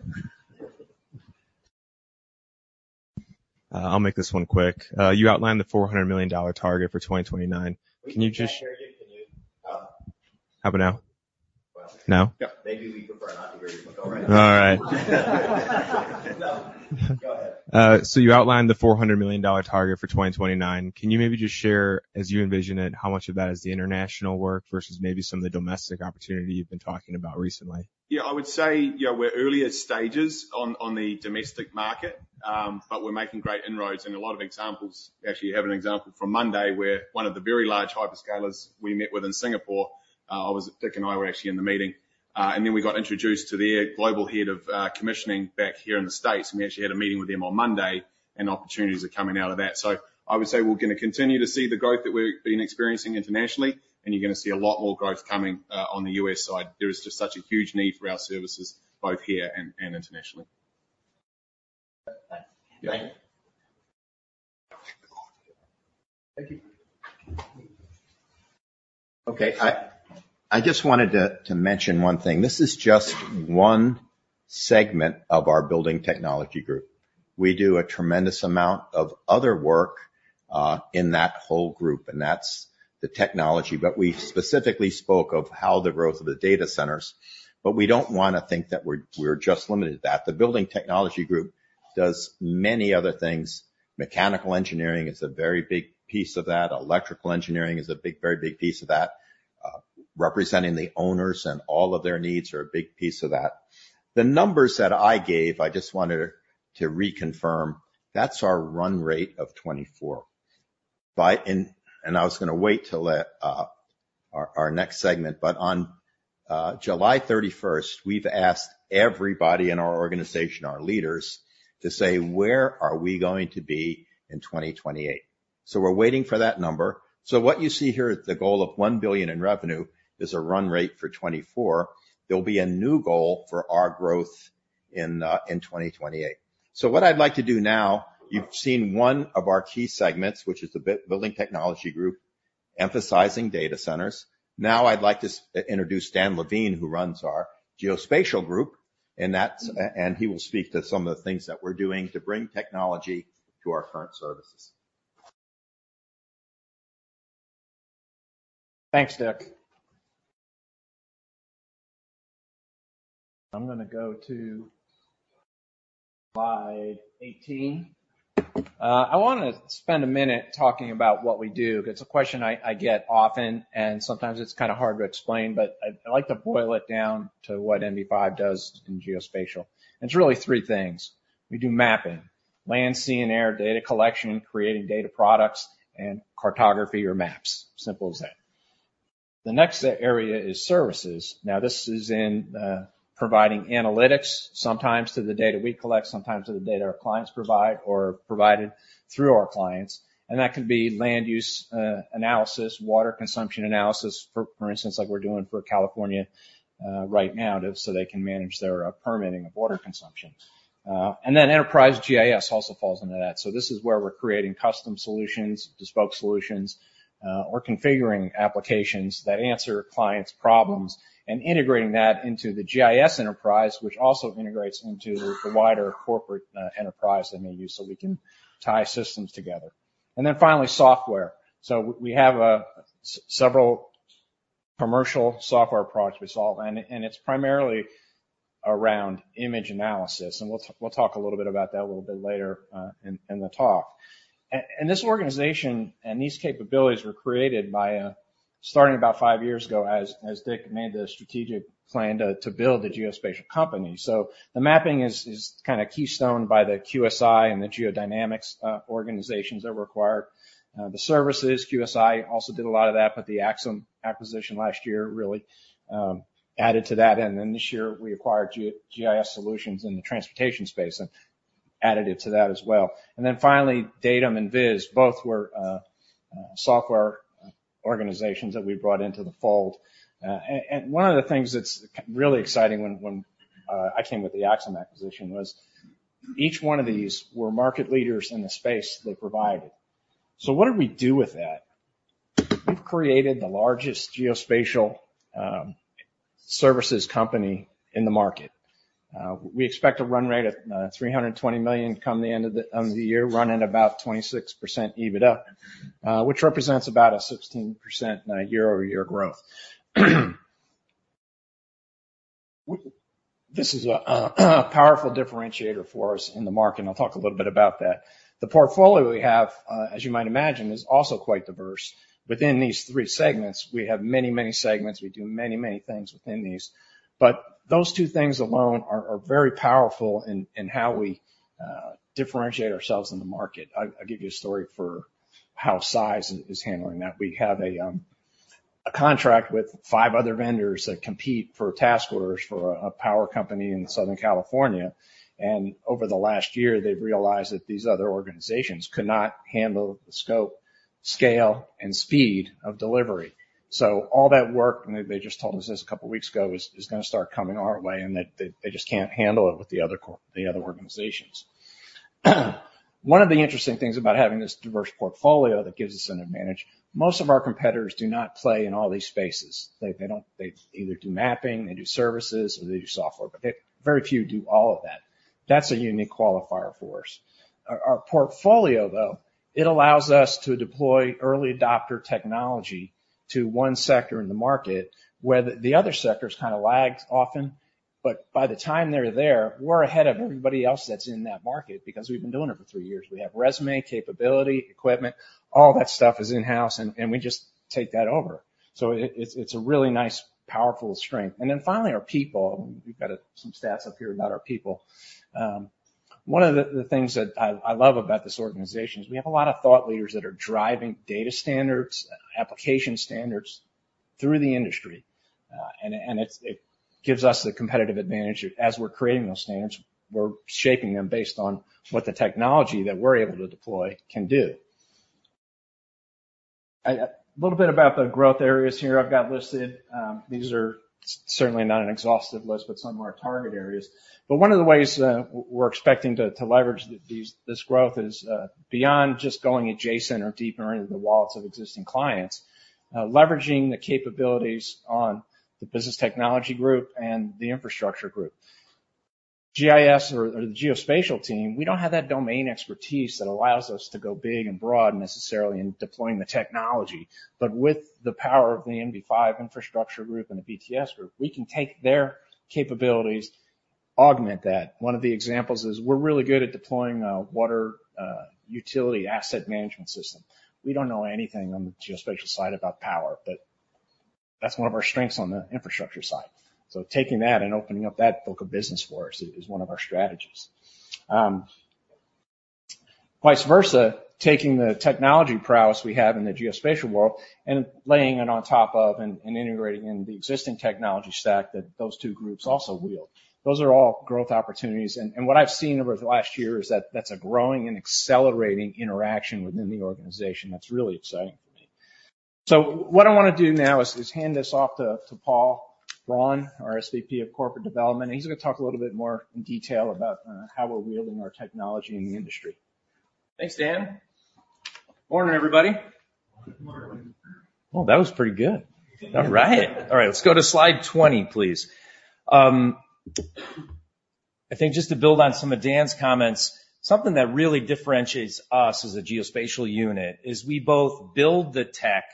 I'll make this one quick. You outlined the $400 million target for 2029. Can you just-
Can you... Oh.
How about now?
Well...
Now?
Yep.
Maybe we prefer not to hear it, but go right ahead.
All right.
Go ahead.
So you outlined the $400 million target for 2029. Can you maybe just share, as you envision it, how much of that is the international work versus maybe some of the domestic opportunity you've been talking about recently?
Yeah, I would say, you know, we're in earlier stages on the domestic market, but we're making great inroads and a lot of examples. We actually have an example from Monday, where one of the very large hyperscalers we met within Singapore, Dick and I were actually in the meeting, and then we got introduced to their global head of commissioning back here in the States, and we actually had a meeting with them on Monday, and opportunities are coming out of that. So I would say we're gonna continue to see the growth that we've been experiencing internationally, and you're gonna see a lot more growth coming on the U.S. side. There is just such a huge need for our services, both here and internationally.
Thanks.
Yeah.
Thank you.
Thank you.
Okay. I just wanted to mention one thing. This is just one segment of our building technology group. We do a tremendous amount of other work in that whole group, and that's the technology. But we specifically spoke of how the growth of the data centers, but we don't wanna think that we're just limited to that. The building technology group does many other things. Mechanical engineering is a very big piece of that. Electrical engineering is a big, very big piece of that. Representing the owners and all of their needs are a big piece of that. The numbers that I gave, I just wanted to reconfirm, that's our run rate of 24. By... I was gonna wait till our next segment, but on July 31st, we've asked everybody in our organization, our leaders, to say, where are we going to be in 2028? So we're waiting for that number. So what you see here, the goal of $1 billion in revenue, is a run rate for 2024. There'll be a new goal for our growth in 2028. So what I'd like to do now, you've seen one of our key segments, which is the Building Technology Group, emphasizing data centers. Now I'd like to introduce Dan Levine, who runs our Geospatial group, and he will speak to some of the things that we're doing to bring technology to our current services.
Thanks, Dick. I'm gonna go to slide 18. I wanna spend a minute talking about what we do. It's a question I get often, and sometimes it's kind of hard to explain, but I like to boil it down to what NV5 does in geospatial. It's really three things: We do mapping, land, sea, and air data collection, creating data products, and cartography or maps. Simple as that. The next area is services. Now, this is in providing analytics, sometimes to the data we collect, sometimes to the data our clients provide or provided through our clients, and that could be land use analysis, water consumption analysis, for instance, like we're doing for California right now, to so they can manage their permitting of water consumption. And then enterprise GIS also falls into that. So this is where we're creating custom solutions, bespoke solutions, or configuring applications that answer clients' problems, and integrating that into the GIS enterprise, which also integrates into the wider corporate enterprise they may use, so we can tie systems together. And then finally, software. So we have several commercial software products we sell, and it's primarily around image analysis, and we'll talk a little bit about that a little bit later, in the talk. And this organization and these capabilities were created by starting about five years ago, as Dick made the strategic plan to build a geospatial company. So the mapping is kind of keystone by the QSI and the Geodynamics organizations that were acquired. The services, QSI, also did a lot of that, but the Axim acquisition last year really added to that. And then this year, we acquired Geodynamics in the transportation space and added it to that as well. And then finally, Atonix and VIS both were software organizations that we brought into the fold. And one of the things that's really exciting when I came with the Axim acquisition was each one of these were market leaders in the space they provided. So what did we do with that? We've created the largest geospatial services company in the market. We expect a run rate of $320 million come the end of the year, running about 26% EBITDA, which represents about a 16% year-over-year growth. This is a powerful differentiator for us in the market, and I'll talk a little bit about that. The portfolio we have, as you might imagine, is also quite diverse. Within these three segments, we have many, many segments. We do many, many things within these. But those two things alone are very powerful in how we differentiate ourselves in the market. I'll give you a story for how size is handling that. We have a contract with five other vendors that compete for task orders for a power company in Southern California. Over the last year, they've realized that these other organizations could not handle the scope, scale, and speed of delivery. So all that work, and they just told us this a couple of weeks ago, is gonna start coming our way, and they just can't handle it with the other organizations. One of the interesting things about having this diverse portfolio that gives us an advantage, most of our competitors do not play in all these spaces. They don't—they either do mapping, they do services, or they do software, but very few do all of that. That's a unique qualifier for us. Our portfolio, though, it allows us to deploy early adopter technology to one sector in the market, where the other sectors kind of lag often, but by the time they're there, we're ahead of everybody else that's in that market because we've been doing it for three years. We have résumé, capability, equipment; all that stuff is in-house, and we just take that over. So it's a really nice, powerful strength. And then finally, our people. We've got some stats up here about our people. One of the things that I love about this organization is we have a lot of thought leaders that are driving data standards, application standards through the industry, and it gives us the competitive advantage as we're creating those standards, we're shaping them based on what the technology that we're able to deploy can do. A little bit about the growth areas here I've got listed. These are certainly not an exhaustive list, but some of our target areas. One of the ways we're expecting to leverage this growth is beyond just going adjacent or deeper into the wallets of existing clients, leveraging the capabilities on the Building Technology group and Infrastructure group. GIS or the geospatial team, we don't have that domain expertise that allows us to go big and broad, necessarily, in deploying the technology. But with the power of the Infrastructure group and the BTS group, we can take their capabilities, augment that. One of the examples is we're really good at deploying water utility asset management system. We don't know anything on the geospatial side about power, but that's one of our strengths on the infrastructure side. So taking that and opening up that book of business for us is one of our strategies. Vice versa, taking the technology prowess we have in the geospatial world and laying it on top of and integrating in the existing technology stack that those two groups also wield. Those are all growth opportunities, and what I've seen over the last year is that that's a growing and accelerating interaction within the organization. That's really exciting for me.... So what I want to do now is hand this off to Paul Braun, our SVP of Corporate Development, and he's going to talk a little bit more in detail about how we're wielding our technology in the industry.
Thanks, Dan. Morning, everybody.
Good morning.
Oh, that was pretty good. All right. All right, let's go to slide 20, please. I think just to build on some of Dan's comments, something that really differentiates us as a geospatial unit is we both build the tech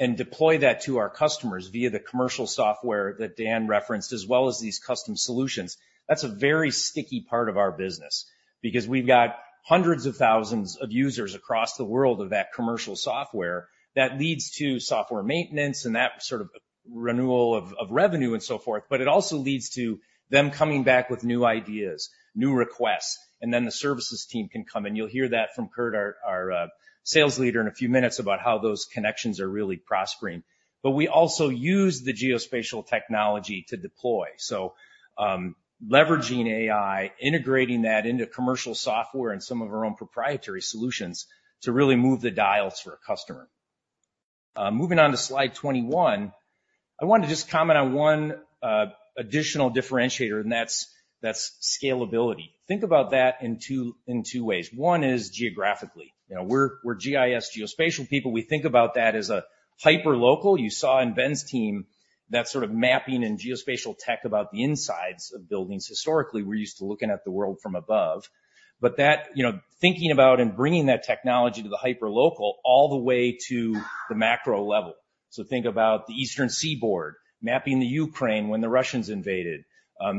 and deploy that to our customers via the commercial software that Dan referenced, as well as these custom solutions. That's a very sticky part of our business because we've got hundreds of thousands of users across the world of that commercial software. That leads to software maintenance and that sort of renewal of, of revenue and so forth. But it also leads to them coming back with new ideas, new requests, and then the services team can come in. You'll hear that from Kurt, our, our, sales leader, in a few minutes about how those connections are really prospering. But we also use the geospatial technology to deploy. So, leveraging AI, integrating that into commercial software and some of our own proprietary solutions to really move the dial for a customer. Moving on to slide 21, I want to just comment on one additional differentiator, and that's scalability. Think about that in two ways. One is geographically. You know, we're GIS, geospatial people. We think about that as a hyperlocal. You saw in Ben's team that sort of mapping and geospatial tech about the insides of buildings. Historically, we're used to looking at the world from above, but that, you know, thinking about and bringing that technology to the hyperlocal all the way to the macro level. So think about the Eastern Seaboard, mapping the Ukraine when the Russians invaded,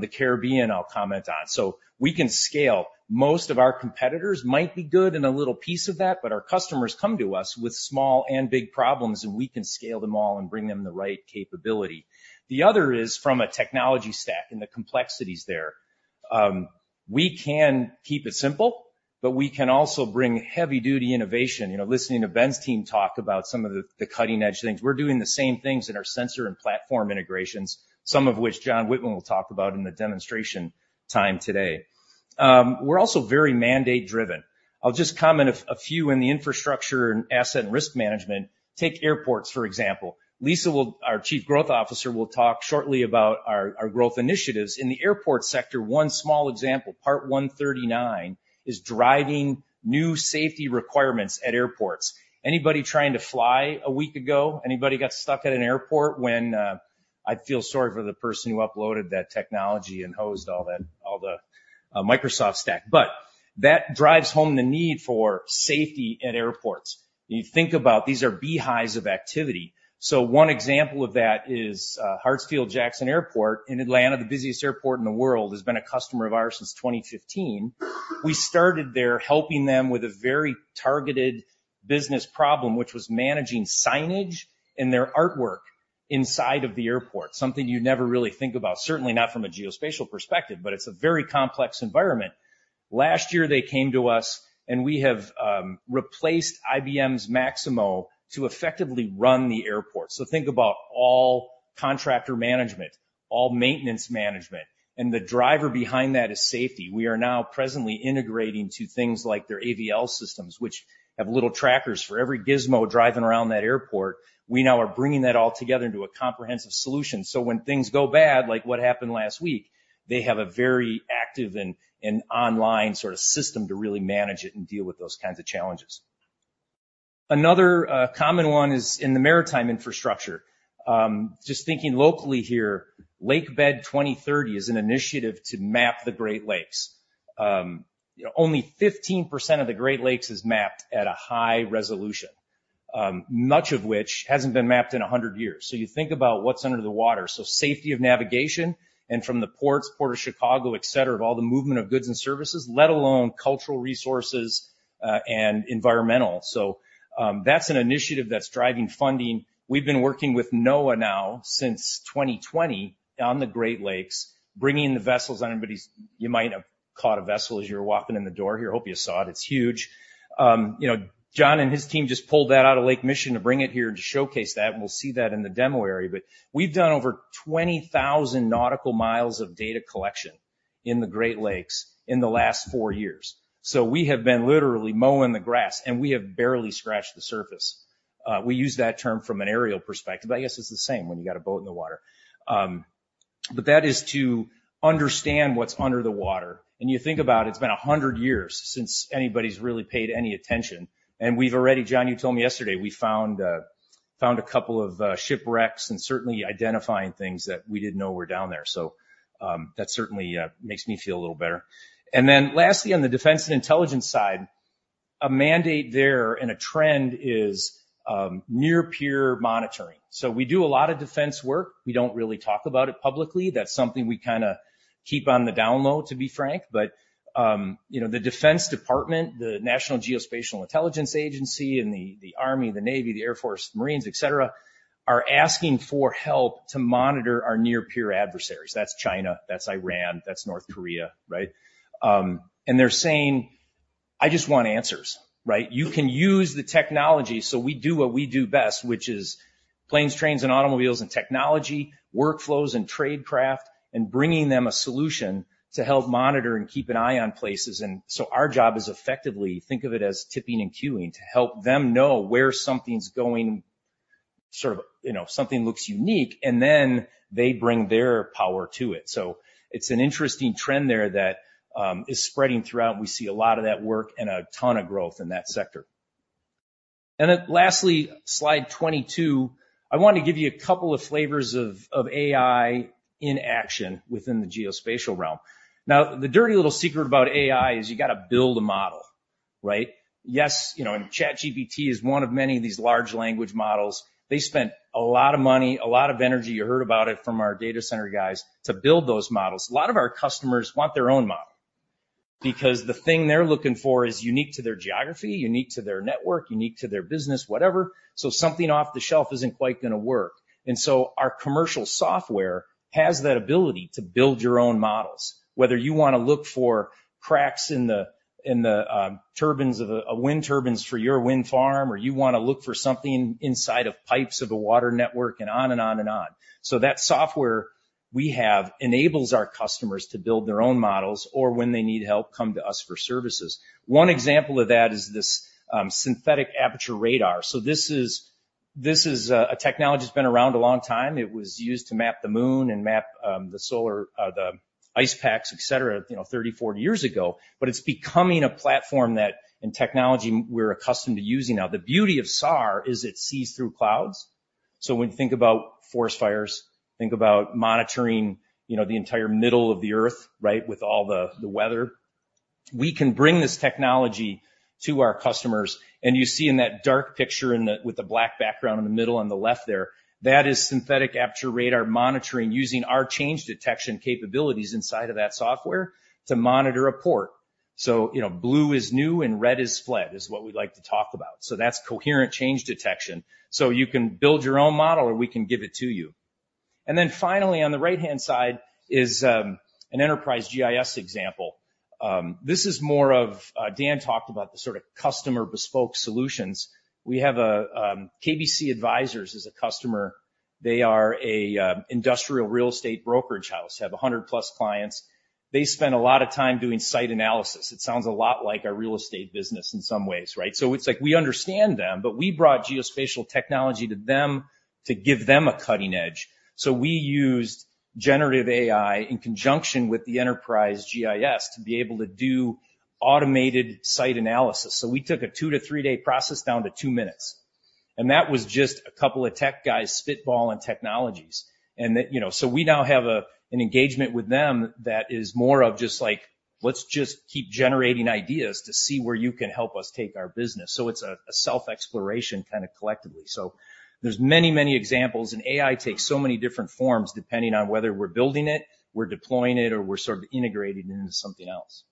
the Caribbean, I'll comment on. So we can scale. Most of our competitors might be good in a little piece of that, but our customers come to us with small and big problems, and we can scale them all and bring them the right capability. The other is from a technology stack and the complexities there. We can keep it simple, but we can also bring heavy-duty innovation. You know, listening to Ben's team talk about some of the cutting-edge things. We're doing the same things in our sensor and platform integrations, some of which John Whitman will talk about in the demonstration time today. We're also very mandate-driven. I'll just comment a few in the infrastructure and asset and risk management. Take airports, for example. Lisa will... Our Chief Growth Officer, will talk shortly about our growth initiatives. In the airport sector, one small example, Part 139, is driving new safety requirements at airports. Anybody trying to fly a week ago? Anybody got stuck at an airport when I feel sorry for the person who uploaded that technology and hosed all that-- all the Microsoft stack. But that drives home the need for safety at airports. You think about these are beehives of activity. So one example of that is Hartsfield-Jackson Airport in Atlanta, the busiest airport in the world, has been a customer of ours since 2015. We started there helping them with a very targeted business problem, which was managing signage and their artwork inside of the airport. Something you never really think about, certainly not from a geospatial perspective, but it's a very complex environment. Last year, they came to us, and we have replaced IBM's Maximo to effectively run the airport. So think about all contractor management, all maintenance management, and the driver behind that is safety. We are now presently integrating to things like their AVL systems, which have little trackers for every gizmo driving around that airport. We now are bringing that all together into a comprehensive solution. So when things go bad, like what happened last week, they have a very active and online sort of system to really manage it and deal with those kinds of challenges. Another common one is in the maritime infrastructure. Just thinking locally here, Lakebed 2030 is an initiative to map the Great Lakes. You know, only 15% of the Great Lakes is mapped at a high resolution, much of which hasn't been mapped in 100 years. So you think about what's under the water. So safety of navigation and from the ports, Port of Chicago, et cetera, of all the movement of goods and services, let alone cultural resources, and environmental. So, that's an initiative that's driving funding. We've been working with NOAA now since 2020 on the Great Lakes, bringing the vessels on. Anybody... You might have caught a vessel as you were walking in the door here. Hope you saw it. It's huge. You know, John and his team just pulled that out of Lake Michigan to bring it here to showcase that, and we'll see that in the demo area. But we've done over 20,000 nautical miles of data collection in the Great Lakes in the last 4 years. So we have been literally mowing the grass, and we have barely scratched the surface. We use that term from an aerial perspective. I guess it's the same when you got a boat in the water. But that is to understand what's under the water. And you think about it, it's been 100 years since anybody's really paid any attention, and we've already... John, you told me yesterday, we found a couple of shipwrecks and certainly identifying things that we didn't know were down there. So, that certainly makes me feel a little better. And then lastly, on the defense and intelligence side, a mandate there and a trend is near-peer monitoring. So we do a lot of defense work. We don't really talk about it publicly. That's something we kinda keep on the down low, to be frank. But, you know, the Defense Department, the National Geospatial-Intelligence Agency, and the Army, the Navy, the Air Force, Marines, et cetera, are asking for help to monitor our near-peer adversaries. That's China, that's Iran, that's North Korea, right? And they're saying, "I just want answers." Right? You can use the technology, so we do what we do best, which is planes, trains, and automobiles, and technology, workflows, and tradecraft, and bringing them a solution to help monitor and keep an eye on places. And so our job is effectively, think of it as tipping and cueing, to help them know where something's going, sort of, you know, something looks unique, and then they bring their power to it. It's an interesting trend there that is spreading throughout. We see a lot of that work and a ton of growth in that sector. And then lastly, slide 22, I wanna give you a couple of flavors of AI in action within the geospatial realm. Now, the dirty little secret about AI is you gotta build a model, right? Yes, you know, and ChatGPT is one of many of these large language models. They spent a lot of money, a lot of energy, you heard about it from our data center guys, to build those models. A lot of our customers want their own model because the thing they're looking for is unique to their geography, unique to their network, unique to their business, whatever, so something off the shelf isn't quite gonna work. Our commercial software has that ability to build your own models, whether you wanna look for cracks in the turbines of a wind turbines for your wind farm, or you wanna look for something inside of pipes of a water network, and on and on and on. That software we have enables our customers to build their own models, or when they need help, come to us for services. One example of that is this synthetic aperture radar. This is a technology that's been around a long time. It was used to map the moon and map the solar, the ice packs, et cetera, you know, 30, 40 years ago. But it's becoming a platform that, and technology we're accustomed to using now. The beauty of SAR is it sees through clouds. So when you think about forest fires, think about monitoring, you know, the entire middle of the earth, right, with all the, the weather. We can bring this technology to our customers, and you see in that dark picture in the with the black background in the middle on the left there, that is synthetic aperture radar monitoring, using our change detection capabilities inside of that software to monitor a port. So, you know, blue is new and red is old, is what we like to talk about. So that's coherent change detection. So you can build your own model, or we can give it to you. And then finally, on the right-hand side is an enterprise GIS example. This is more of, Dan talked about the sort of customer bespoke solutions. We have a KBC Advisors is a customer. They are a industrial real estate brokerage house, have a 100-plus clients. They spend a lot of time doing site analysis. It sounds a lot like our real estate business in some ways, right? So it's like we understand them, but we brought geospatial technology to them to give them a cutting edge. So we used generative AI in conjunction with the enterprise GIS to be able to do automated site analysis. So we took a 2- to 3-day process down to 2 minutes, and that was just a couple of tech guys spitballing technologies. And that, you know. So we now have an engagement with them that is more of just like, "Let's just keep generating ideas to see where you can help us take our business." So it's a self-exploration kinda collectively. So there's many, many examples, and AI takes so many different forms, depending on whether we're building it, we're deploying it, or we're sort of integrating it into something else.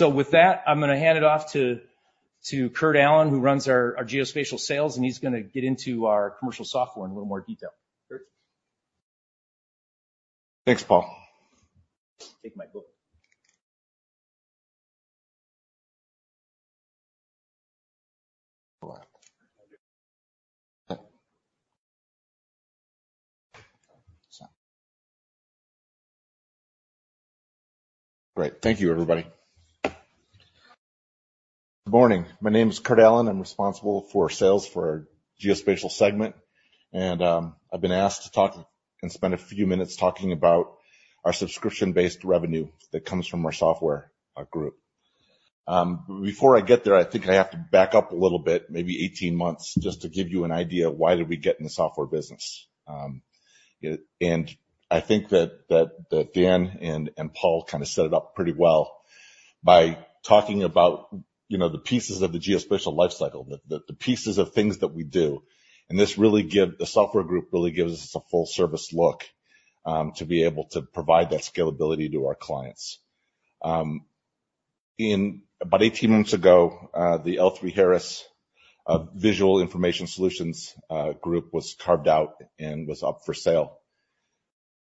With that, I'm gonna hand it off to Kurt Allen, who runs our geospatial sales, and he's gonna get into our commercial software in a little more detail. Kurt?
Thanks, Paul.
Take my book.
Great. Thank you, everybody. Good morning. My name is Kurt Allen. I'm responsible for sales for our Geospatial segment, and I've been asked to talk and spend a few minutes talking about our subscription-based revenue that comes from our software group. Before I get there, I think I have to back up a little bit, maybe 18 months, just to give you an idea of why did we get in the software business. I think that Dan and Paul kinda set it up pretty well by talking about, you know, the pieces of the geospatial life cycle, the pieces of things that we do. The software group really gives us a full-service look to be able to provide that scalability to our clients. About 18 months ago, the L3Harris Visual Information Solutions Group was carved out and was up for sale.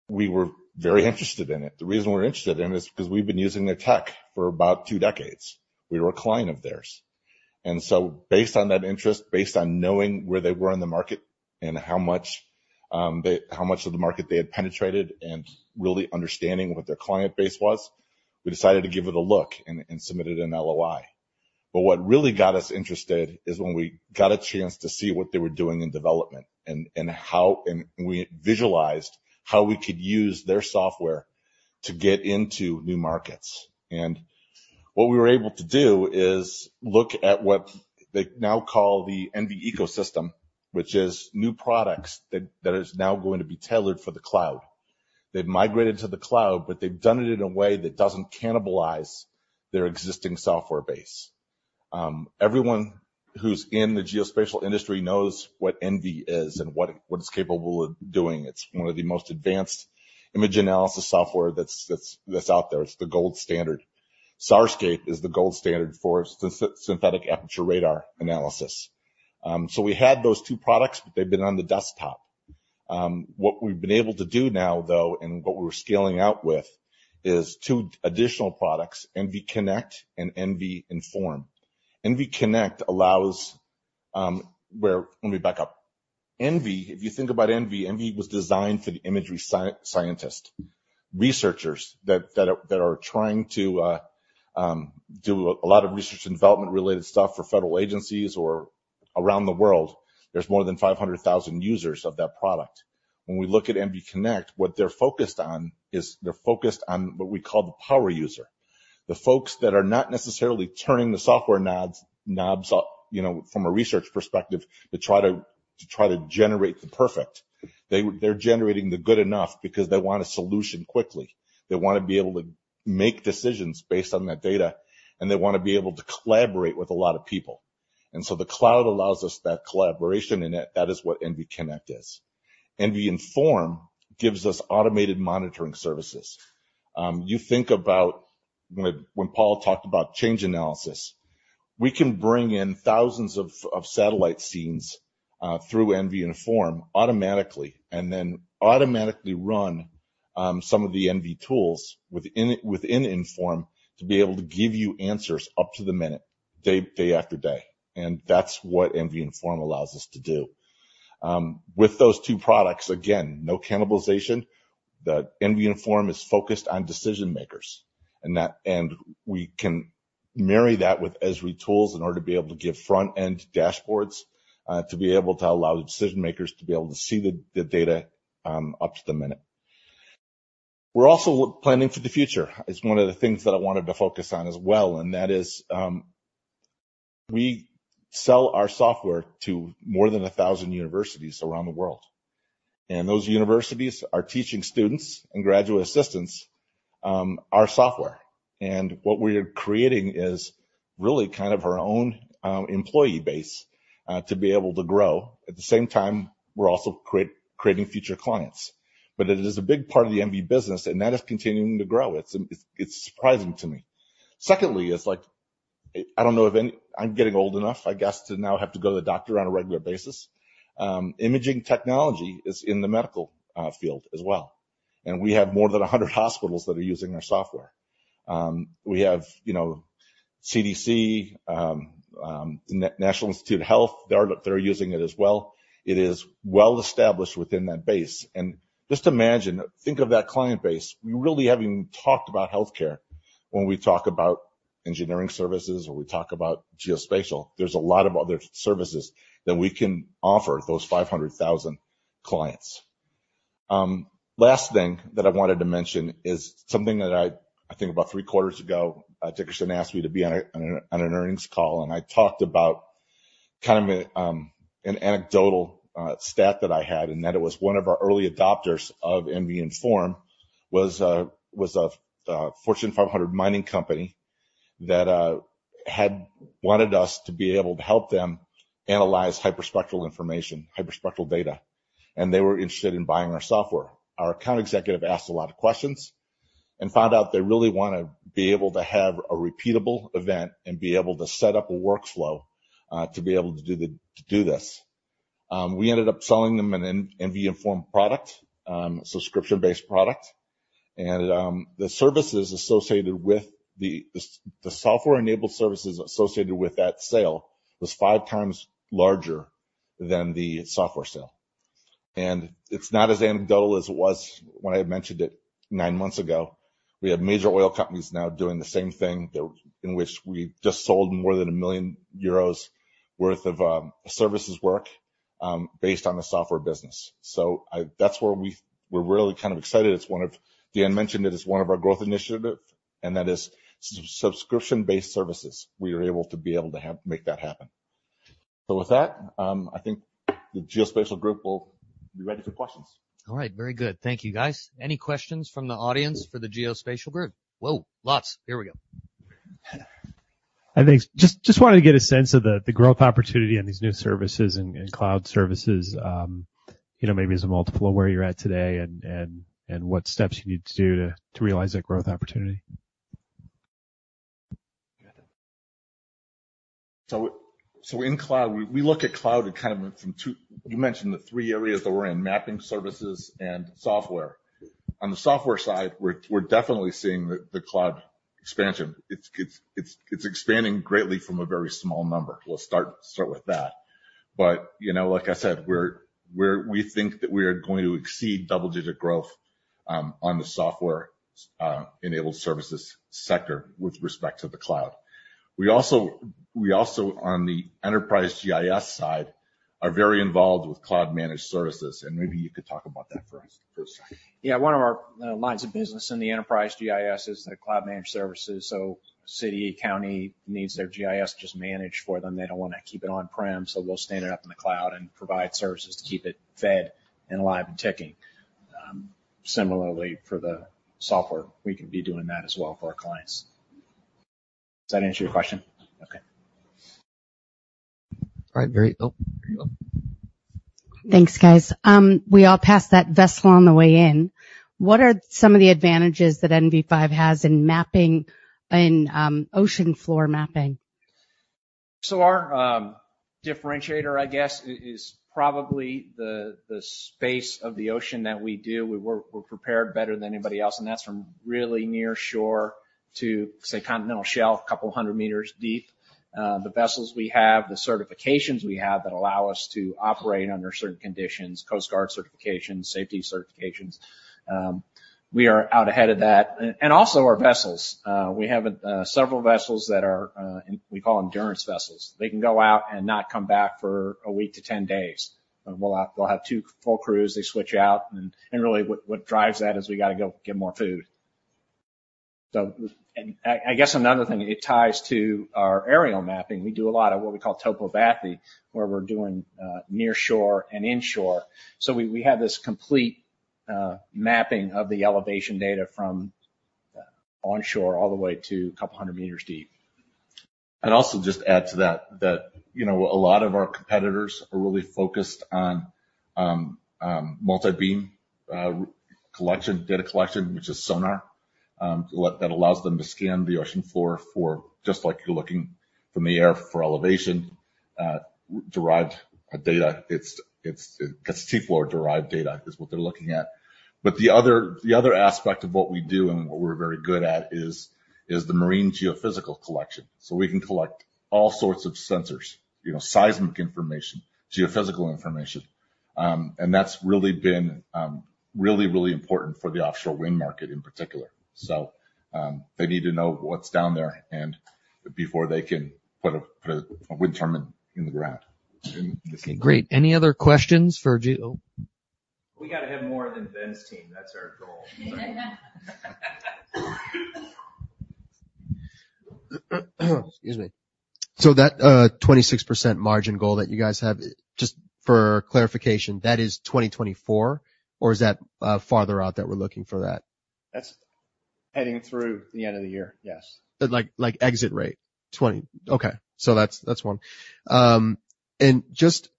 We were very interested in it. The reason we're interested in it is 'cause we've been using their tech for about two decades. We were a client of theirs. And so based on that interest, based on knowing where they were in the market and how much of the market they had penetrated, and really understanding what their client base was, we decided to give it a look and submitted an LOI. But what really got us interested is when we got a chance to see what they were doing in development and how. And we visualized how we could use their software to get into new markets. And what we were able to do is look at what they now call the ENVI ecosystem, which is new products that is now going to be tailored for the cloud. They've migrated to the cloud, but they've done it in a way that doesn't cannibalize their existing software base. Everyone who's in the geospatial industry knows what ENVI is and what it's capable of doing. It's one of the most advanced image analysis software that's out there. It's the gold standard. SARscape is the gold standard for synthetic aperture radar analysis. So we had those two products, but they've been on the desktop. What we've been able to do now, though, and what we're scaling out with, is two additional products, ENVI Connect and ENVI Inform. ENVI Connect allows, let me back up. ENVI, if you think about ENVI, ENVI was designed for the imagery scientist, researchers that, that are, that are trying to do a lot of research and development-related stuff for federal agencies or around the world. There's more than 500,000 users of that product. When we look at ENVI Connect, what they're focused on is they're focused on what we call the power user. The folks that are not necessarily turning the software knobs up, you know, from a research perspective, to try to, to try to generate the perfect. They, they're generating the good enough because they want a solution quickly. They wanna be able to make decisions based on that data, and they wanna be able to collaborate with a lot of people. And so the cloud allows us that collaboration, and that, that is what ENVI Connect is. ENVI Inform gives us automated monitoring services. You think about when Paul talked about change analysis. We can bring in thousands of satellite scenes through ENVI Inform automatically, and then automatically run some of the ENVI tools within Inform to be able to give you answers up to the minute, day after day. And that's what ENVI Inform allows us to do. With those two products, again, no cannibalization. The ENVI Inform is focused on decision makers, and we can marry that with Esri tools in order to be able to give front-end dashboards to be able to allow the decision makers to be able to see the data up to the minute. We're also planning for the future. It's one of the things that I wanted to focus on as well, and that is, we sell our software to more than 1,000 universities around the world. Those universities are teaching students and graduate assistants our software. What we are creating is really kind of our own employee base to be able to grow. At the same time, we're also creating future clients. But it is a big part of the ENVI business, and that is continuing to grow. It's surprising to me. Secondly, it's like, I don't know if any... I'm getting old enough, I guess, to now have to go to the doctor on a regular basis. Imaging technology is in the medical field as well, and we have more than 100 hospitals that are using our software. We have, you know, CDC, National Institutes of Health, they are, they're using it as well. It is well established within that base. And just imagine, think of that client base. We really haven't even talked about healthcare when we talk about engineering services or we talk about geospatial. There's a lot of other services that we can offer those 500,000 clients. Last thing that I wanted to mention is something that I think about three quarters ago, Dickerson asked me to be on an earnings call, and I talked about kind of an anecdotal stat that I had, and that it was one of our early adopters of ENVI Inform was a Fortune 500 mining company that had wanted us to be able to help them analyze hyperspectral information, hyperspectral data, and they were interested in buying our software. Our account executive asked a lot of questions and found out they really wanna be able to have a repeatable event and be able to set up a workflow to be able to do this. We ended up selling them an ENVI Inform product, subscription-based product. The services associated with the software-enabled services associated with that sale was five times larger than the software sale. It's not as anecdotal as it was when I had mentioned it nine months ago. We have major oil companies now doing the same thing, in which we just sold more than 1 million euros worth of services work based on the software business. So that's where we're really kind of excited. It's one of... Dan mentioned it, it's one of our growth initiative, and that is subscription-based services. We are able to make that happen. So with that, I think the Geospatial group will be ready for questions.
All right. Very good. Thank you, guys. Any questions from the audience for the Geospatial group? Whoa, lots! Here we go.
I think, just wanted to get a sense of the growth opportunity in these new services and cloud services, you know, maybe as a multiple of where you're at today and what steps you need to do to realize that growth opportunity.
So in cloud, we look at cloud and kind of from two... You mentioned the three areas that we're in, mapping, services, and software. On the software side, we're definitely seeing the cloud expansion. It's expanding greatly from a very small number. We'll start with that. But, you know, like I said, we think that we are going to exceed double-digit growth on the software enabled services sector with respect to the cloud. We also, on the enterprise GIS side, are very involved with cloud managed services, and maybe you could talk about that for us first.
Yeah. One of our lines of business in the enterprise GIS is the cloud managed services. So, city, county needs their GIS just managed for them. They don't wanna keep it on-prem, so we'll stand it up in the cloud and provide services to keep it fed and alive and ticking. Similarly, for the software, we can be doing that as well for our clients. Does that answer your question? Okay.
All right. Oh, here you go.
Thanks, guys. We all passed that vessel on the way in. What are some of the advantages that NV5 has in mapping in, ocean floor mapping?
...So our differentiator, I guess, is probably the space of the ocean that we do. We work. We're prepared better than anybody else, and that's from really near shore to, say, continental shelf, 200 meters deep. The vessels we have, the certifications we have that allow us to operate under certain conditions, Coast Guard certifications, safety certifications, we are out ahead of that. And also our vessels. We have several vessels that we call endurance vessels. They can go out and not come back for a week to 10 days. But we'll have two full crews. They switch out, and really, what drives that is we got to go get more food. So, and I guess another thing, it ties to our aerial mapping. We do a lot of what we call topobathy, where we're doing near shore and inshore. So we have this complete mapping of the elevation data from onshore all the way to 200 meters deep.
I'd also just add to that, you know, a lot of our competitors are really focused on multi-beam collection, data collection, which is sonar. What that allows them to scan the ocean floor for just like you're looking from the air for elevation derived data. It's seafloor-derived data is what they're looking at. But the other aspect of what we do and what we're very good at is the marine geophysical collection. So we can collect all sorts of sensors, you know, seismic information, geophysical information, and that's really been really important for the offshore wind market in particular. So they need to know what's down there and before they can put a wind turbine in the ground.
Great. Any other questions for Geo?
We got to have more than Ben's team. That's our goal.
Excuse me. So that, 26% margin goal that you guys have, just for clarification, that is 2024, or is that, farther out that we're looking for that?
That's heading through the end of the year, yes.
Like, exit rate, 20. Okay. So that's one. And just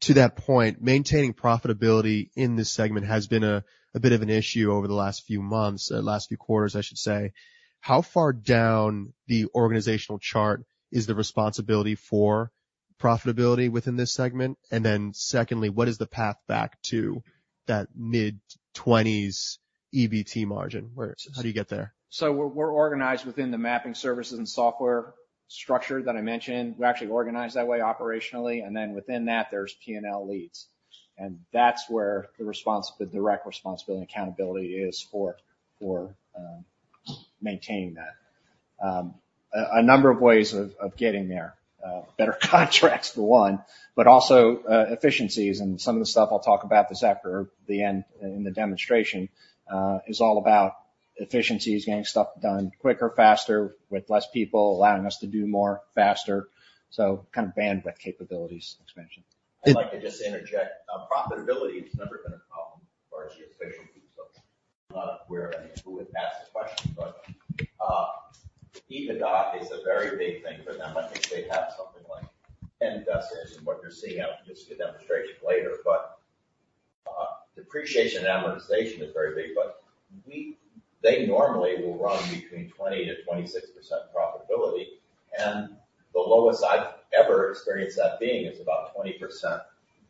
to that point, maintaining profitability in this segment has been a bit of an issue over the last few months, last few quarters, I should say. How far down the organizational chart is the responsibility for profitability within this segment? And then secondly, what is the path back to that mid-20s EBT margin? Where, how do you get there?
So we're organized within the mapping services and software structure that I mentioned. We're actually organized that way operationally, and then within that, there's P&L leads. And that's where the direct responsibility and accountability is for maintaining that. A number of ways of getting there. Better contracts, for one, but also efficiencies and some of the stuff I'll talk about this after the end, in the demonstration, is all about efficiencies, getting stuff done quicker, faster, with less people, allowing us to do more faster. So kind of bandwidth capabilities, expansion.
I'd like to just interject. Profitability has never been a problem for our Geospatial group, so I'm not aware of who had asked the question, but EBITDA is a very big thing for them. I think they have something like 10 investors and what you're seeing out, just a demonstration later, but depreciation and amortization is very big. But they normally will run between 20%-26% profitability, and the lowest I've ever experienced that being is about 20%.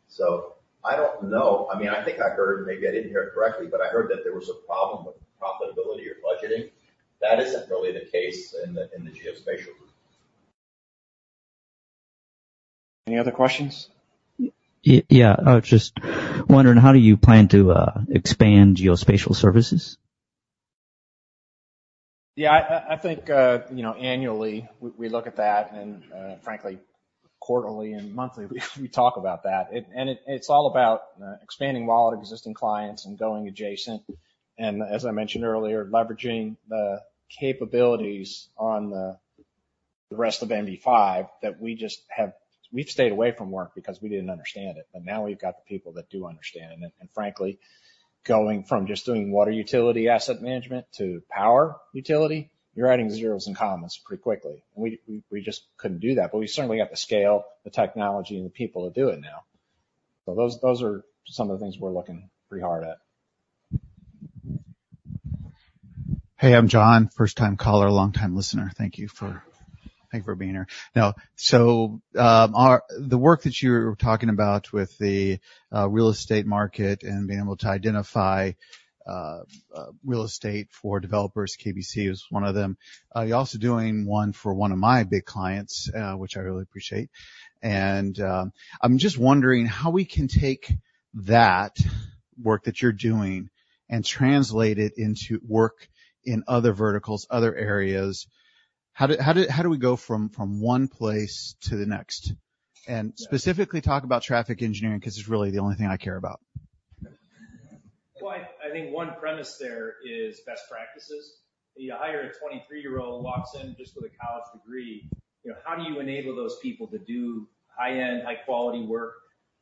So I don't know. I mean, I think I heard, and maybe I didn't hear it correctly, but I heard that there was a problem with profitability or budgeting. That isn't really the case in the Geospatial group.
Any other questions?
Yeah, I was just wondering, how do you plan to expand geospatial services?
Yeah, I think, you know, annually, we look at that and, frankly, quarterly and monthly, we talk about that. It... And it, it's all about expanding wallet of existing clients and going adjacent. And as I mentioned earlier, leveraging the capabilities on the rest of NV5, that we just have-- We've stayed away from work because we didn't understand it, but now we've got the people that do understand it. And frankly, going from just doing water utility asset management to power utility, you're adding zeros and commas pretty quickly. We just couldn't do that, but we certainly got the scale, the technology, and the people to do it now. So those are some of the things we're looking pretty hard at.
Hey, I'm John. First-time caller, long-time listener. Thank you for, thank you for being here. Now, so, the work that you're talking about with the real estate market and being able to identify real estate for developers, KBC is one of them. You're also doing one for one of my big clients, which I really appreciate. And, I'm just wondering how we can take that work that you're doing and translate it into work in other verticals, other areas. How do we go from one place to the next?
Yes.
Specifically, talk about traffic engineering, because it's really the only thing I care about.
Well, I think one premise there is best practices. You hire a 23-year-old, walks in just with a college degree, you know, how do you enable those people to do high-end, high-quality work,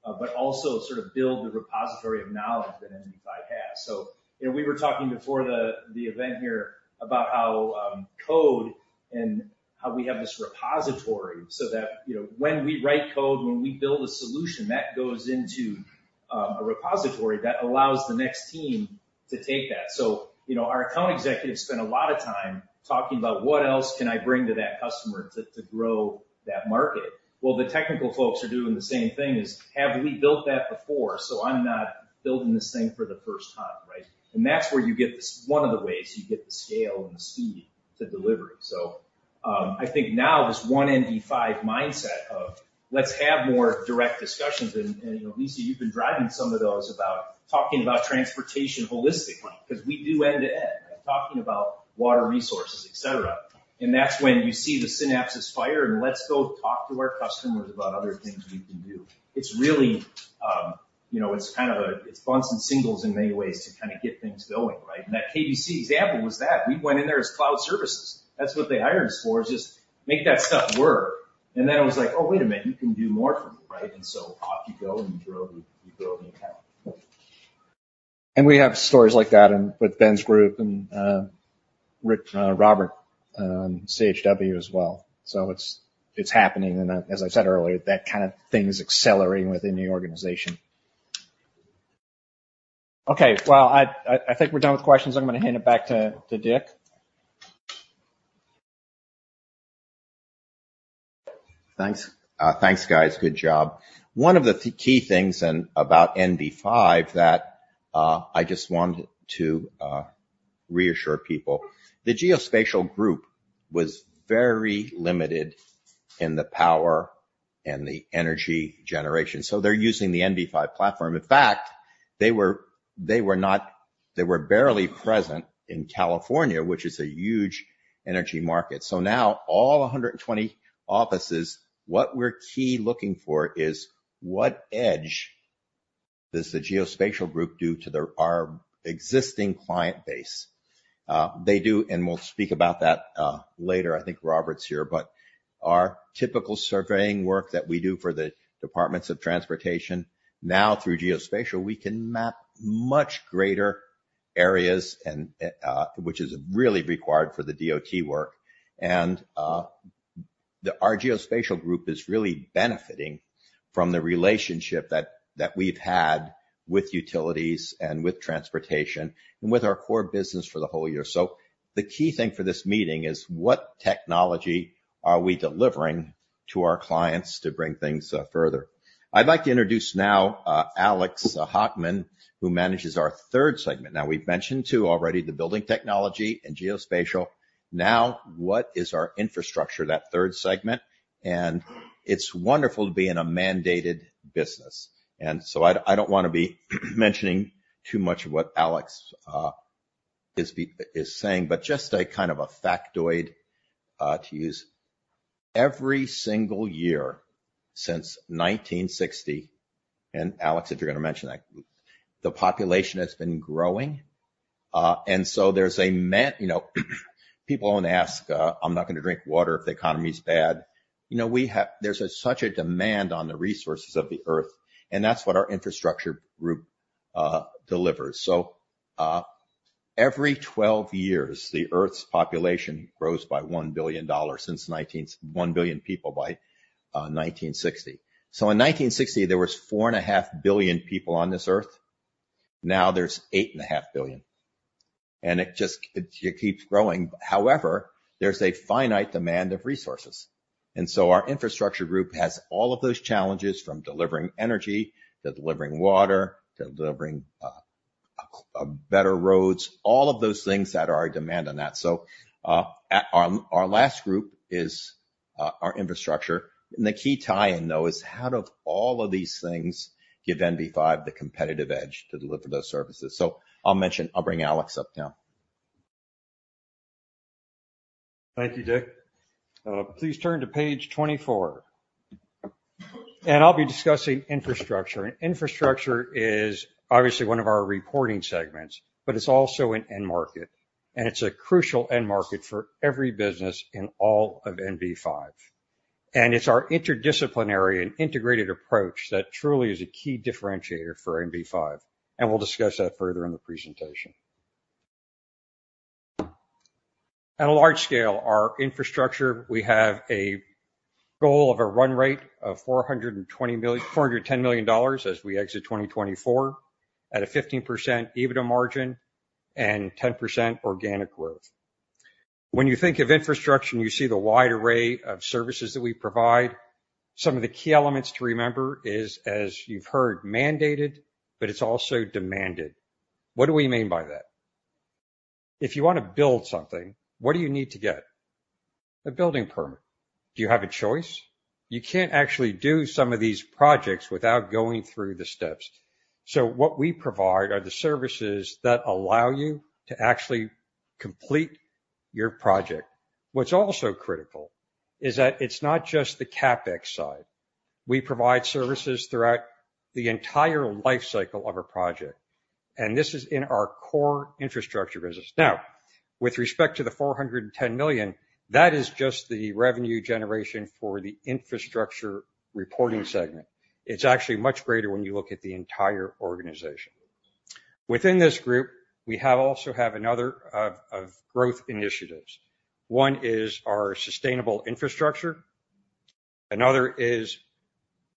but also sort of build the repository of knowledge that NV5 has? So, you know, we were talking before the event here about how code and how we have this repository so that, you know, when we write code, when we build a solution, that goes into a repository that allows the next team-... to take that. So, you know, our account executives spend a lot of time talking about what else can I bring to that customer to, to grow that market? Well, the technical folks are doing the same thing, is: Have we built that before, so I'm not building this thing for the first time, right? And that's where you get this, one of the ways you get the scale and the speed to delivery. So, I think now this one NV5 mindset of let's have more direct discussions, and, and, you know, Lisa, you've been driving some of those about talking about transportation holistically, 'cause we do end-to-end. Talking about water resources, et cetera. And that's when you see the synapses fire, and let's go talk to our customers about other things we can do. It's really, you know, it's kind of a, it's bunts and singles in many ways to kinda get things going, right? And that KBC example was that. We went in there as cloud services. That's what they hired us for, is just make that stuff work. And then it was like, "Oh, wait a minute, you can do more for me," right? And so off you go, and you grow, you grow the account.
And we have stories like that in, with Ben's group, and, Rick, Robert, CHW as well. So it's happening, and as I said earlier, that kind of thing is accelerating within the organization. Okay, well, I think we're done with questions. I'm gonna hand it back to Dick.
Thanks. Thanks, guys. Good job. One of the key things about NV5 that I just want to reassure people, the Geospatial group was very limited in the power and the energy generation, so they're using the NV5 platform. In fact, they were not-- they were barely present in California, which is a huge energy market. So now all 120 offices, what we're key looking for is, what edge does the Geospatial group do to their, our existing client base? They do, and we'll speak about that later. I think Robert's here. But our typical surveying work that we do for the Departments of Transportation, now through Geospatial, we can map much greater areas and which is really required for the DOT work. And our Geospatial group is really benefiting from the relationship that we've had with utilities and with transportation and with our core business for the whole year. So the key thing for this meeting is, what technology are we delivering to our clients to bring things further? I'd like to introduce now, Alex Hockman, who manages our third segment. Now, we've mentioned two already, the Building Technology and Geospatial. Now, what is our Infrastructure, that third segment? And it's wonderful to be in a mandated business, and so I don't wanna be mentioning too much of what Alex is saying, but just a kind of a factoid to use: Every single year since 1960, and Alex, if you're gonna mention that, the population has been growing. And so, you know, people only ask, "I'm not gonna drink water if the economy is bad." You know, there's such a demand on the resources of the Earth, and that's what Infrastructure group delivers. So, every 12 years, the Earth's population grows by 1 billion people since 1960. So in 1960, there was 4.5 billion people on this earth. Now there's 8.5 billion, and it just, it keeps growing. However, there's a finite demand of resources, and so Infrastructure group has all of those challenges, from delivering energy to delivering water, to delivering better roads, all of those things that are in demand on that. So, our last group is our infrastructure, and the key tie-in, though, is how do all of these things give NV5 the competitive edge to deliver those services? So I'll bring Alex up now.
Thank you, Dick. Please turn to page 24. I'll be discussing infrastructure. Infrastructure is obviously one of our reporting segments, but it's also an end market, and it's a crucial end market for every business in all of NV5. It's our interdisciplinary and integrated approach that truly is a key differentiator for NV5, and we'll discuss that further in the presentation. On a large scale, our infrastructure, we have a goal of a run rate of $420 million-$410 million as we exit 2024, at a 15% EBITDA margin and 10% organic growth. When you think of infrastructure, and you see the wide array of services that we provide, some of the key elements to remember is, as you've heard, mandated, but it's also demanded. What do we mean by that? If you want to build something, what do you need to get? A building permit. Do you have a choice? You can't actually do some of these projects without going through the steps. So what we provide are the services that allow you to actually complete your project. What's also critical is that it's not just the CapEx side. We provide services throughout the entire life cycle of a project, and this is in our core infrastructure business. Now, with respect to the $410 million, that is just the revenue generation for the infrastructure reporting segment. It's actually much greater when you look at the entire organization. Within this group, we also have another of growth initiatives. One is our sustainable infrastructure. Another is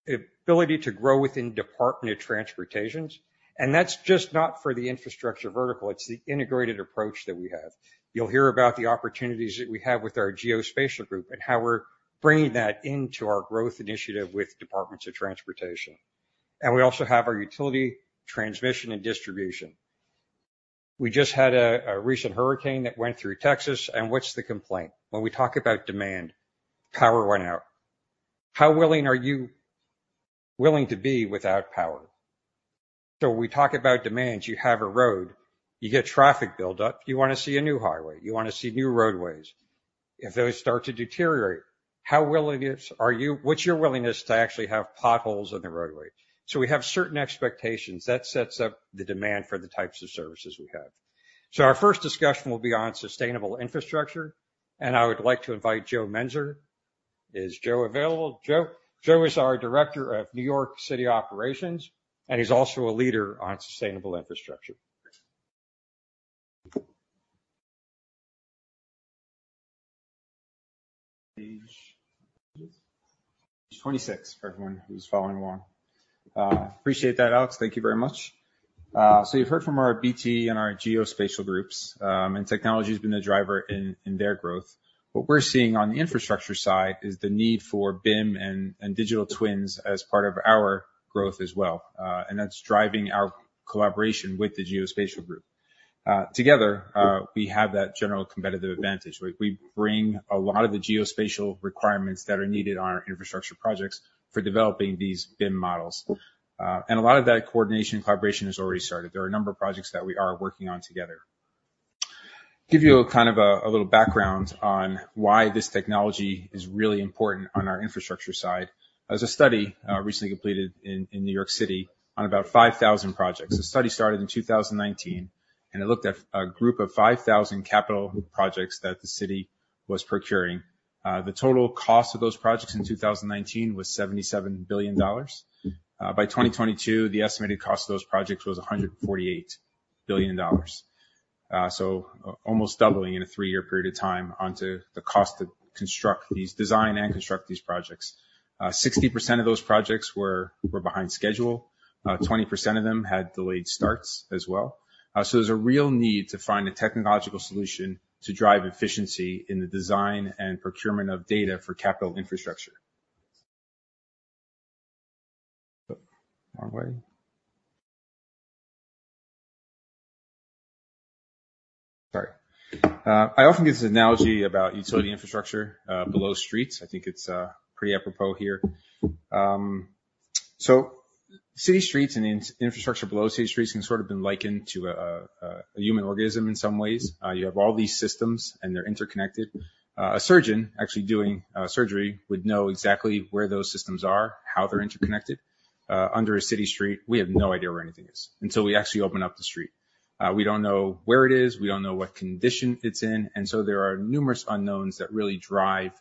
the ability to grow within Departments of Transportation, and that's just not for the infrastructure vertical, it's the integrated approach that we have. You'll hear about the opportunities that we have with our Geospatial group and how we're bringing that into our growth initiative with Departments of Transportation. We also have our utility, transmission, and distribution. We just had a recent hurricane that went through Texas, and what's the complaint? When we talk about demand, power went out. How willing are you to be without power? So when we talk about demands, you have a road, you get traffic buildup, you wanna see a new highway, you wanna see new roadways. If those start to deteriorate, how willing are you – what's your willingness to actually have potholes in the roadway? So we have certain expectations. That sets up the demand for the types of services we have. So our first discussion will be on sustainable infrastructure, and I would like to invite Joe Menzer. Is Joe available? Joe? Joe is our Director of New York City Operations, and he's also a leader on sustainable infrastructure.
Page 26, for everyone who's following along. Appreciate that, Alex. Thank you very much. So you've heard from our BT and our Geospatial groups, and technology's been the driver in their growth. What we're seeing on the infrastructure side is the need for BIM and digital twins as part of our growth as well, and that's driving our collaboration with the Geospatial group. Together, we have that general competitive advantage, where we bring a lot of the geospatial requirements that are needed on our infrastructure projects for developing these BIM models. And a lot of that coordination and collaboration has already started. There are a number of projects that we are working on together. Give you a kind of little background on why this technology is really important on our infrastructure side. There was a study recently completed in New York City on about 5,000 projects. The study started in 2019, and it looked at a group of 5,000 capital projects that the city was procuring. The total cost of those projects in 2019 was $77 billion. By 2022, the estimated cost of those projects was $148 billion. So almost doubling in a 3-year period of time onto the cost to construct these, design and construct these projects. 60% of those projects were behind schedule. 20% of them had delayed starts as well. So there's a real need to find a technological solution to drive efficiency in the design and procurement of data for capital infrastructure. Wrong way. Sorry. I often use this analogy about utility infrastructure below streets. I think it's pretty apropos here. So city streets and infrastructure below city streets can sort of been likened to a human organism in some ways. You have all these systems, and they're interconnected. A surgeon actually doing surgery would know exactly where those systems are, how they're interconnected. Under a city street, we have no idea where anything is until we actually open up the street. We don't know where it is, we don't know what condition it's in, and so there are numerous unknowns that really drive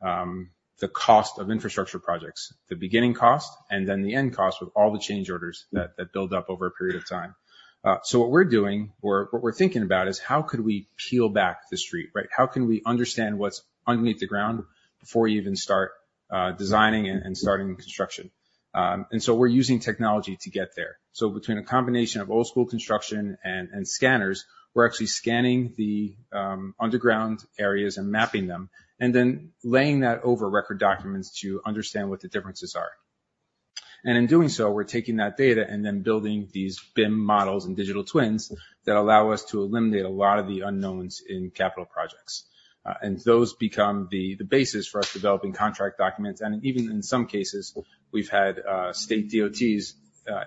the cost of infrastructure projects, the beginning cost, and then the end cost with all the change orders that build up over a period of time. So what we're doing, or what we're thinking about, is how could we peel back the street, right? How can we understand what's underneath the ground before you even start designing and starting construction? And so we're using technology to get there. So between a combination of old school construction and scanners, we're actually scanning the underground areas and mapping them, and then laying that over record documents to understand what the differences are. And in doing so, we're taking that data and then building these BIM models and digital twins that allow us to eliminate a lot of the unknowns in capital projects. And those become the basis for us developing contract documents, and even in some cases, we've had state DOTs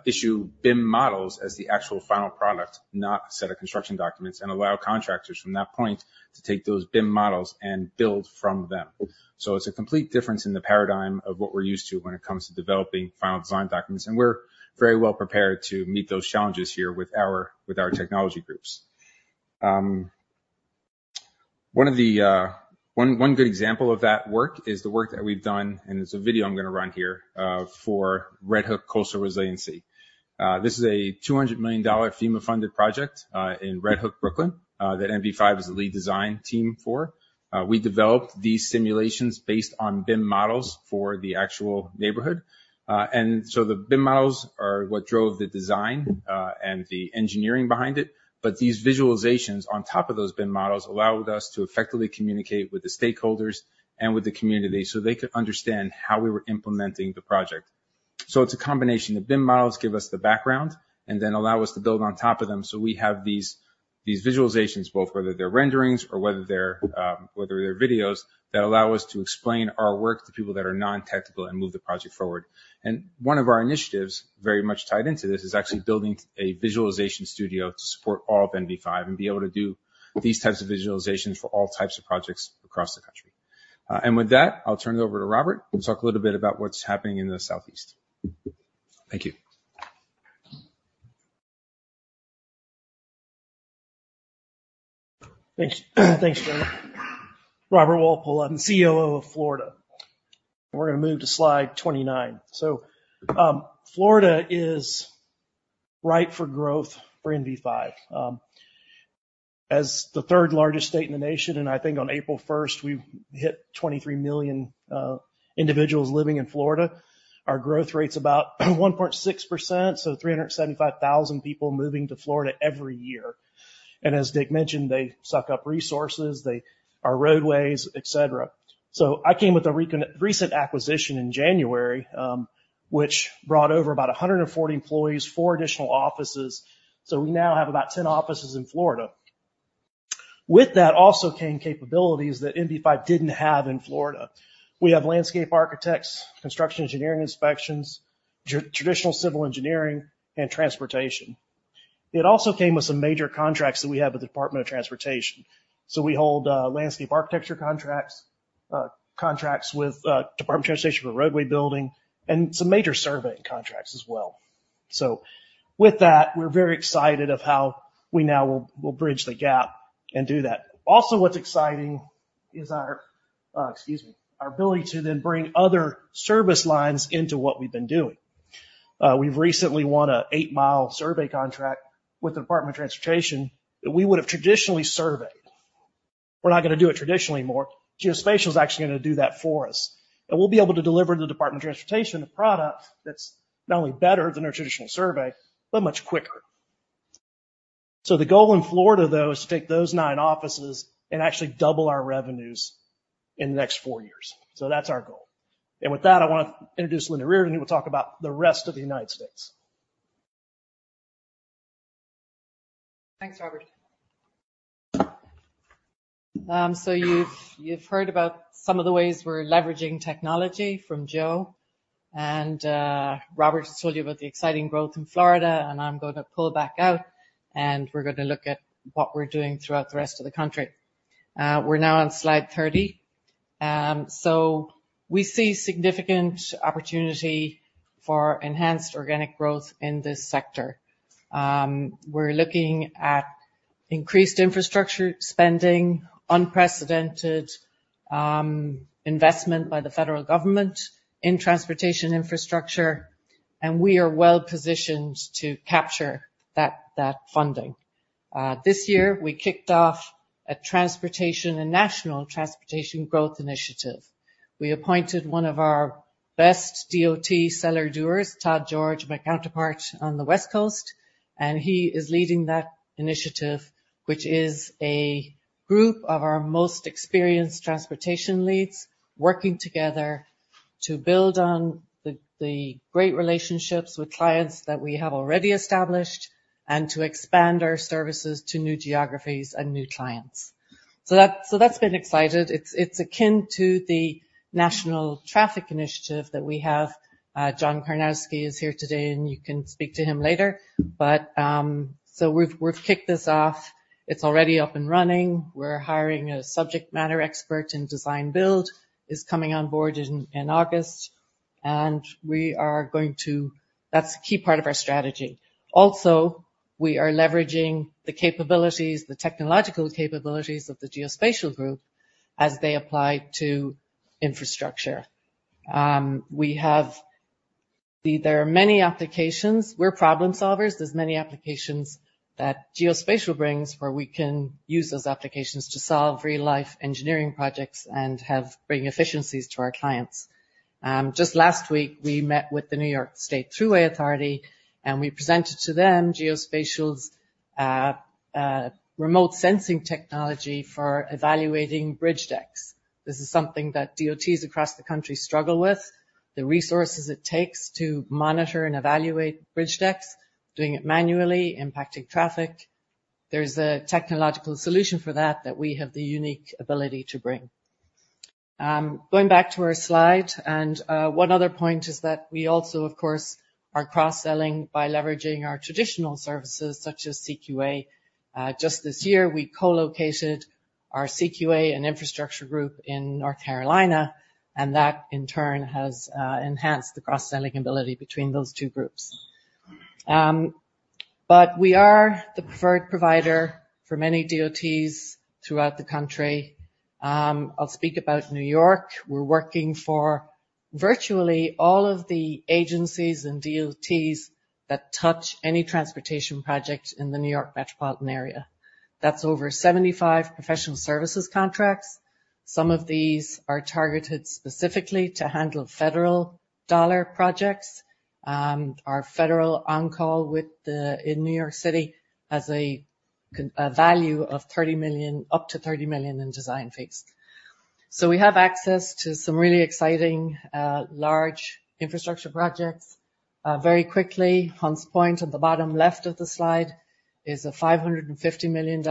issue BIM models as the actual final product, not a set of construction documents, and allow contractors from that point to take those BIM models and build from them. So it's a complete difference in the paradigm of what we're used to when it comes to developing final design documents, and we're very well prepared to meet those challenges here with our technology groups. One good example of that work is the work that we've done, and there's a video I'm gonna run here for Red Hook Coastal Resiliency. This is a $200 million FEMA-funded project in Red Hook, Brooklyn, that NV5 was the lead design team for. We developed these simulations based on BIM models for the actual neighborhood. And so the BIM models are what drove the design and the engineering behind it, but these visualizations on top of those BIM models allowed us to effectively communicate with the stakeholders and with the community so they could understand how we were implementing the project. So it's a combination. The BIM models give us the background and then allow us to build on top of them so we have these visualizations, both whether they're renderings or whether they're videos, that allow us to explain our work to people that are non-technical and move the project forward. One of our initiatives, very much tied into this, is actually building a visualization studio to support all of NV5 and be able to do these types of visualizations for all types of projects across the country. With that, I'll turn it over to Robert, who'll talk a little bit about what's happening in the Southeast. Thank you.
Thanks. Thanks, Joe. Robert Walpole, I'm COO of Florida. We're gonna move to slide 29. So, Florida is right for growth for NV5. As the third largest state in the nation, and I think on April 1, we hit 23 million individuals living in Florida. Our growth rate's about 1.6%, so 375,000 people moving to Florida every year. And as Dick mentioned, they suck up resources, our roadways, et cetera. So I came with a recent acquisition in January, which brought over about 140 employees, 4 additional offices, so we now have about 10 offices in Florida. With that also came capabilities that NV5 didn't have in Florida. We have landscape architects, construction engineering inspections, traditional civil engineering, and transportation. It also came with some major contracts that we have with the Department of Transportation. So we hold landscape architecture contracts, contracts with Department of Transportation for roadway building, and some major survey contracts as well. So with that, we're very excited of how we now will, will bridge the gap and do that. Also, what's exciting is our, excuse me, our ability to then bring other service lines into what we've been doing. We've recently won an 8-mile survey contract with the Department of Transportation that we would have traditionally surveyed. We're not gonna do it traditionally anymore. Geospatial is actually gonna do that for us, and we'll be able to deliver to the Department of Transportation a product that's not only better than our traditional survey, but much quicker. The goal in Florida, though, is to take those nine offices and actually double our revenues in the next four years. That's our goal. With that, I wanna introduce Linda Reardon, who will talk about the rest of the United States.
Thanks, Robert. So you've heard about some of the ways we're leveraging technology from Joe, and Robert just told you about the exciting growth in Florida, and I'm gonna pull back out, and we're gonna look at what we're doing throughout the rest of the country. We're now on slide 30. So we see significant opportunity for enhanced organic growth in this sector. We're looking at increased infrastructure spending, unprecedented investment by the federal government in transportation infrastructure, and we are well-positioned to capture that funding. This year, we kicked off a national transportation growth initiative. We appointed one of our best DOT seller doers, Todd George, my counterpart on the West Coast, and he is leading that initiative, which is a group of our most experienced transportation leads, working together to build on the great relationships with clients that we have already established, and to expand our services to new geographies and new clients. So that's been exciting. It's akin to the national traffic initiative that we have. John Karnowski is here today, and you can speak to him later. But so we've kicked this off. It's already up and running. We're hiring a subject matter expert in design-build is coming on board in August, and we are going to. That's a key part of our strategy. Also, we are leveraging the capabilities, the technological capabilities of the Geospatial group as they apply to infrastructure. There are many applications. We're problem solvers. There's many applications that geospatial brings, where we can use those applications to solve real-life engineering projects and bring efficiencies to our clients. Just last week, we met with the New York State Thruway Authority, and we presented to them Geospatial's remote sensing technology for evaluating bridge decks. This is something that DOTs across the country struggle with, the resources it takes to monitor and evaluate bridge decks, doing it manually, impacting traffic. There's a technological solution for that, that we have the unique ability to bring. Going back to our slide, one other point is that we also, of course, are cross-selling by leveraging our traditional services, such as CQA. Just this year, we co-located our CQA Infrastructure group in North Carolina, and that, in turn, has enhanced the cross-selling ability between those two groups. But we are the preferred provider for many DOTs throughout the country. I'll speak about New York. We're working for virtually all of the agencies and DOTs that touch any transportation project in the New York metropolitan area. That's over 75 professional services contracts. Some of these are targeted specifically to handle federal dollar projects. Our federal on-call within New York City has a value of $30 million, up to $30 million in design fees. So we have access to some really exciting large infrastructure projects. Very quickly, Hunts Point, at the bottom left of the slide, is a $550 million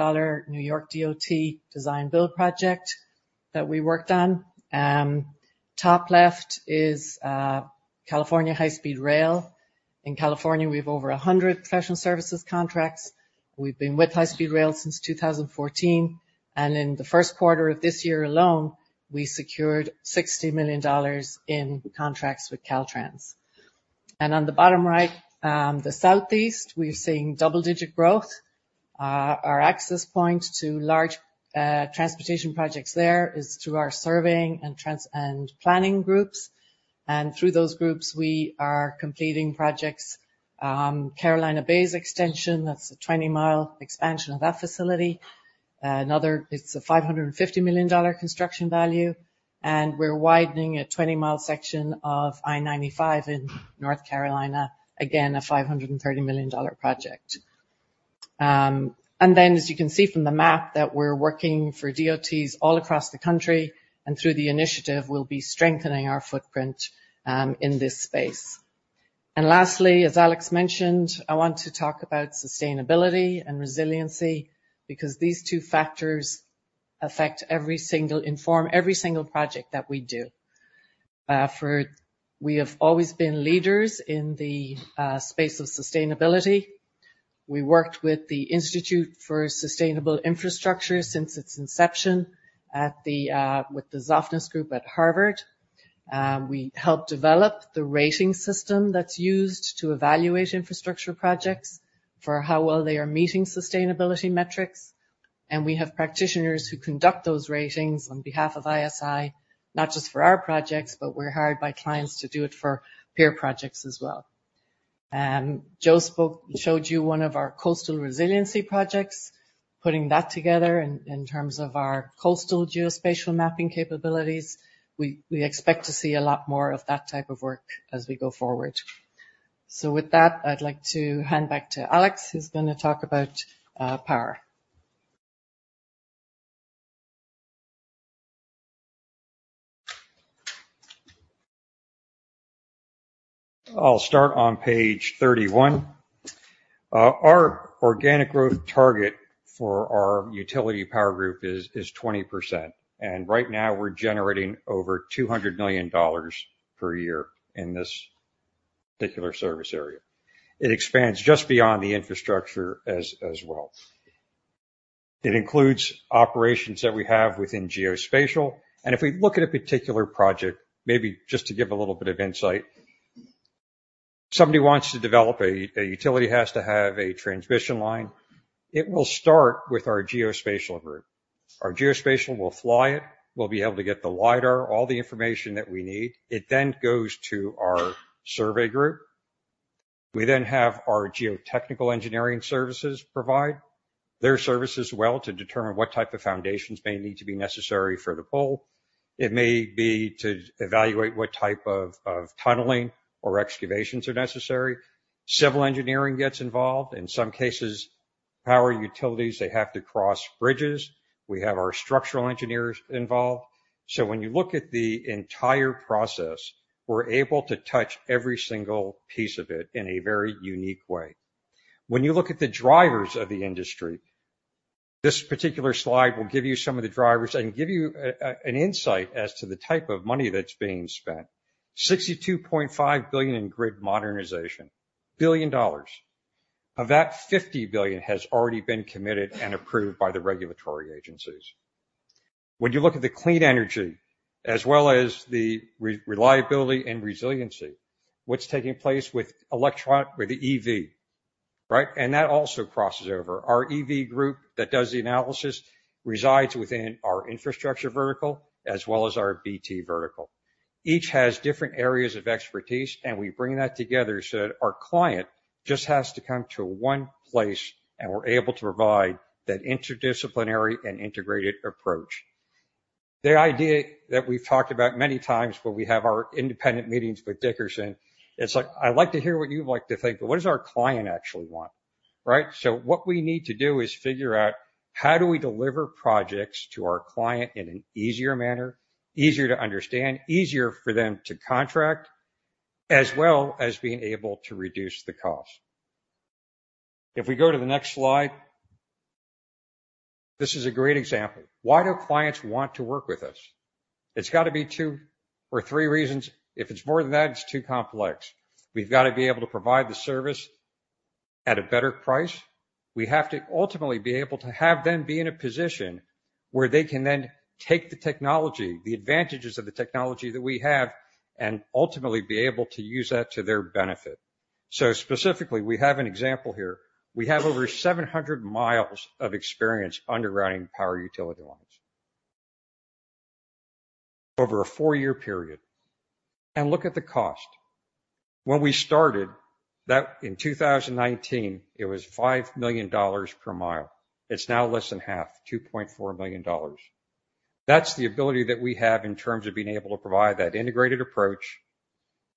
New York DOT design-build project that we worked on. Top left is California High-Speed Rail. In California, we have over 100 professional services contracts. We've been with High-Speed Rail since 2014, and in the first quarter of this year alone, we secured $60 million in contracts with Caltrans. On the bottom right, the Southeast, we're seeing double-digit growth. Our access point to large transportation projects there is through our surveying and planning groups, and through those groups, we are completing projects. Carolina Bays Extension, that's a 20-mile expansion of that facility. Another, it's a $550 million construction value, and we're widening a 20-mile section of I-95 in North Carolina, again, a $530 million project. And then, as you can see from the map, that we're working for DOTs all across the country, and through the initiative, we'll be strengthening our footprint in this space. And lastly, as Alex mentioned, I want to talk about sustainability and resiliency, because these two factors affect every single-- inform every single project that we do. For we have always been leaders in the space of sustainability. We worked with the Institute for Sustainable Infrastructure since its inception at the with the Zofnass Group at Harvard. We helped develop the rating system that's used to evaluate infrastructure projects for how well they are meeting sustainability metrics. We have practitioners who conduct those ratings on behalf of ISI, not just for our projects, but we're hired by clients to do it for peer projects as well. Joe showed you one of our coastal resiliency projects, putting that together in terms of our coastal geospatial mapping capabilities. We expect to see a lot more of that type of work as we go forward. So with that, I'd like to hand back to Alex, who's going to talk about power.
I'll start on page 31. Our organic growth target for our Utility Power Group is 20%, and right now we're generating over $200 million per year in this particular service area. It expands just beyond the infrastructure as well. It includes operations that we have within geospatial, and if we look at a particular project, maybe just to give a little bit of insight, somebody wants to develop a utility has to have a transmission line. It will start with our Geospatial group. Our geospatial will fly it. We'll be able to get the LiDAR, all the information that we need. It then goes to our survey group. We then have our geotechnical engineering services provide their services well to determine what type of foundations may need to be necessary for the pole. It may be to evaluate what type of tunneling or excavations are necessary. Civil engineering gets involved. In some cases, power utilities, they have to cross bridges. We have our structural engineers involved. So when you look at the entire process, we're able to touch every single piece of it in a very unique way. When you look at the drivers of the industry, this particular slide will give you some of the drivers and give you an insight as to the type of money that's being spent. $62.5 billion in grid modernization. Of that, $50 billion has already been committed and approved by the regulatory agencies. When you look at the clean energy as well as the reliability and resiliency, what's taking place with electrification, with the EV, right? And that also crosses over. Our EV group that does the analysis resides within our infrastructure vertical as well as our BT vertical. Each has different areas of expertise, and we bring that together so that our client just has to come to one place, and we're able to provide that interdisciplinary and integrated approach. The idea that we've talked about many times when we have our independent meetings with Dickerson, it's like, I'd like to hear what you'd like to think, but what does our client actually want, right? So what we need to do is figure out how do we deliver projects to our client in an easier manner, easier to understand, easier for them to contract, as well as being able to reduce the cost. If we go to the next slide, this is a great example. Why do clients want to work with us? It's got to be 2 or 3 reasons. If it's more than that, it's too complex. We've got to be able to provide the service at a better price. We have to ultimately be able to have them be in a position where they can then take the technology, the advantages of the technology that we have, and ultimately be able to use that to their benefit. So specifically, we have an example here. We have over 700 miles of experience underground power utility lines over a 4-year period. And look at the cost. When we started that in 2019, it was $5 million per mile. It's now less than half, $2.4 million. That's the ability that we have in terms of being able to provide that integrated approach,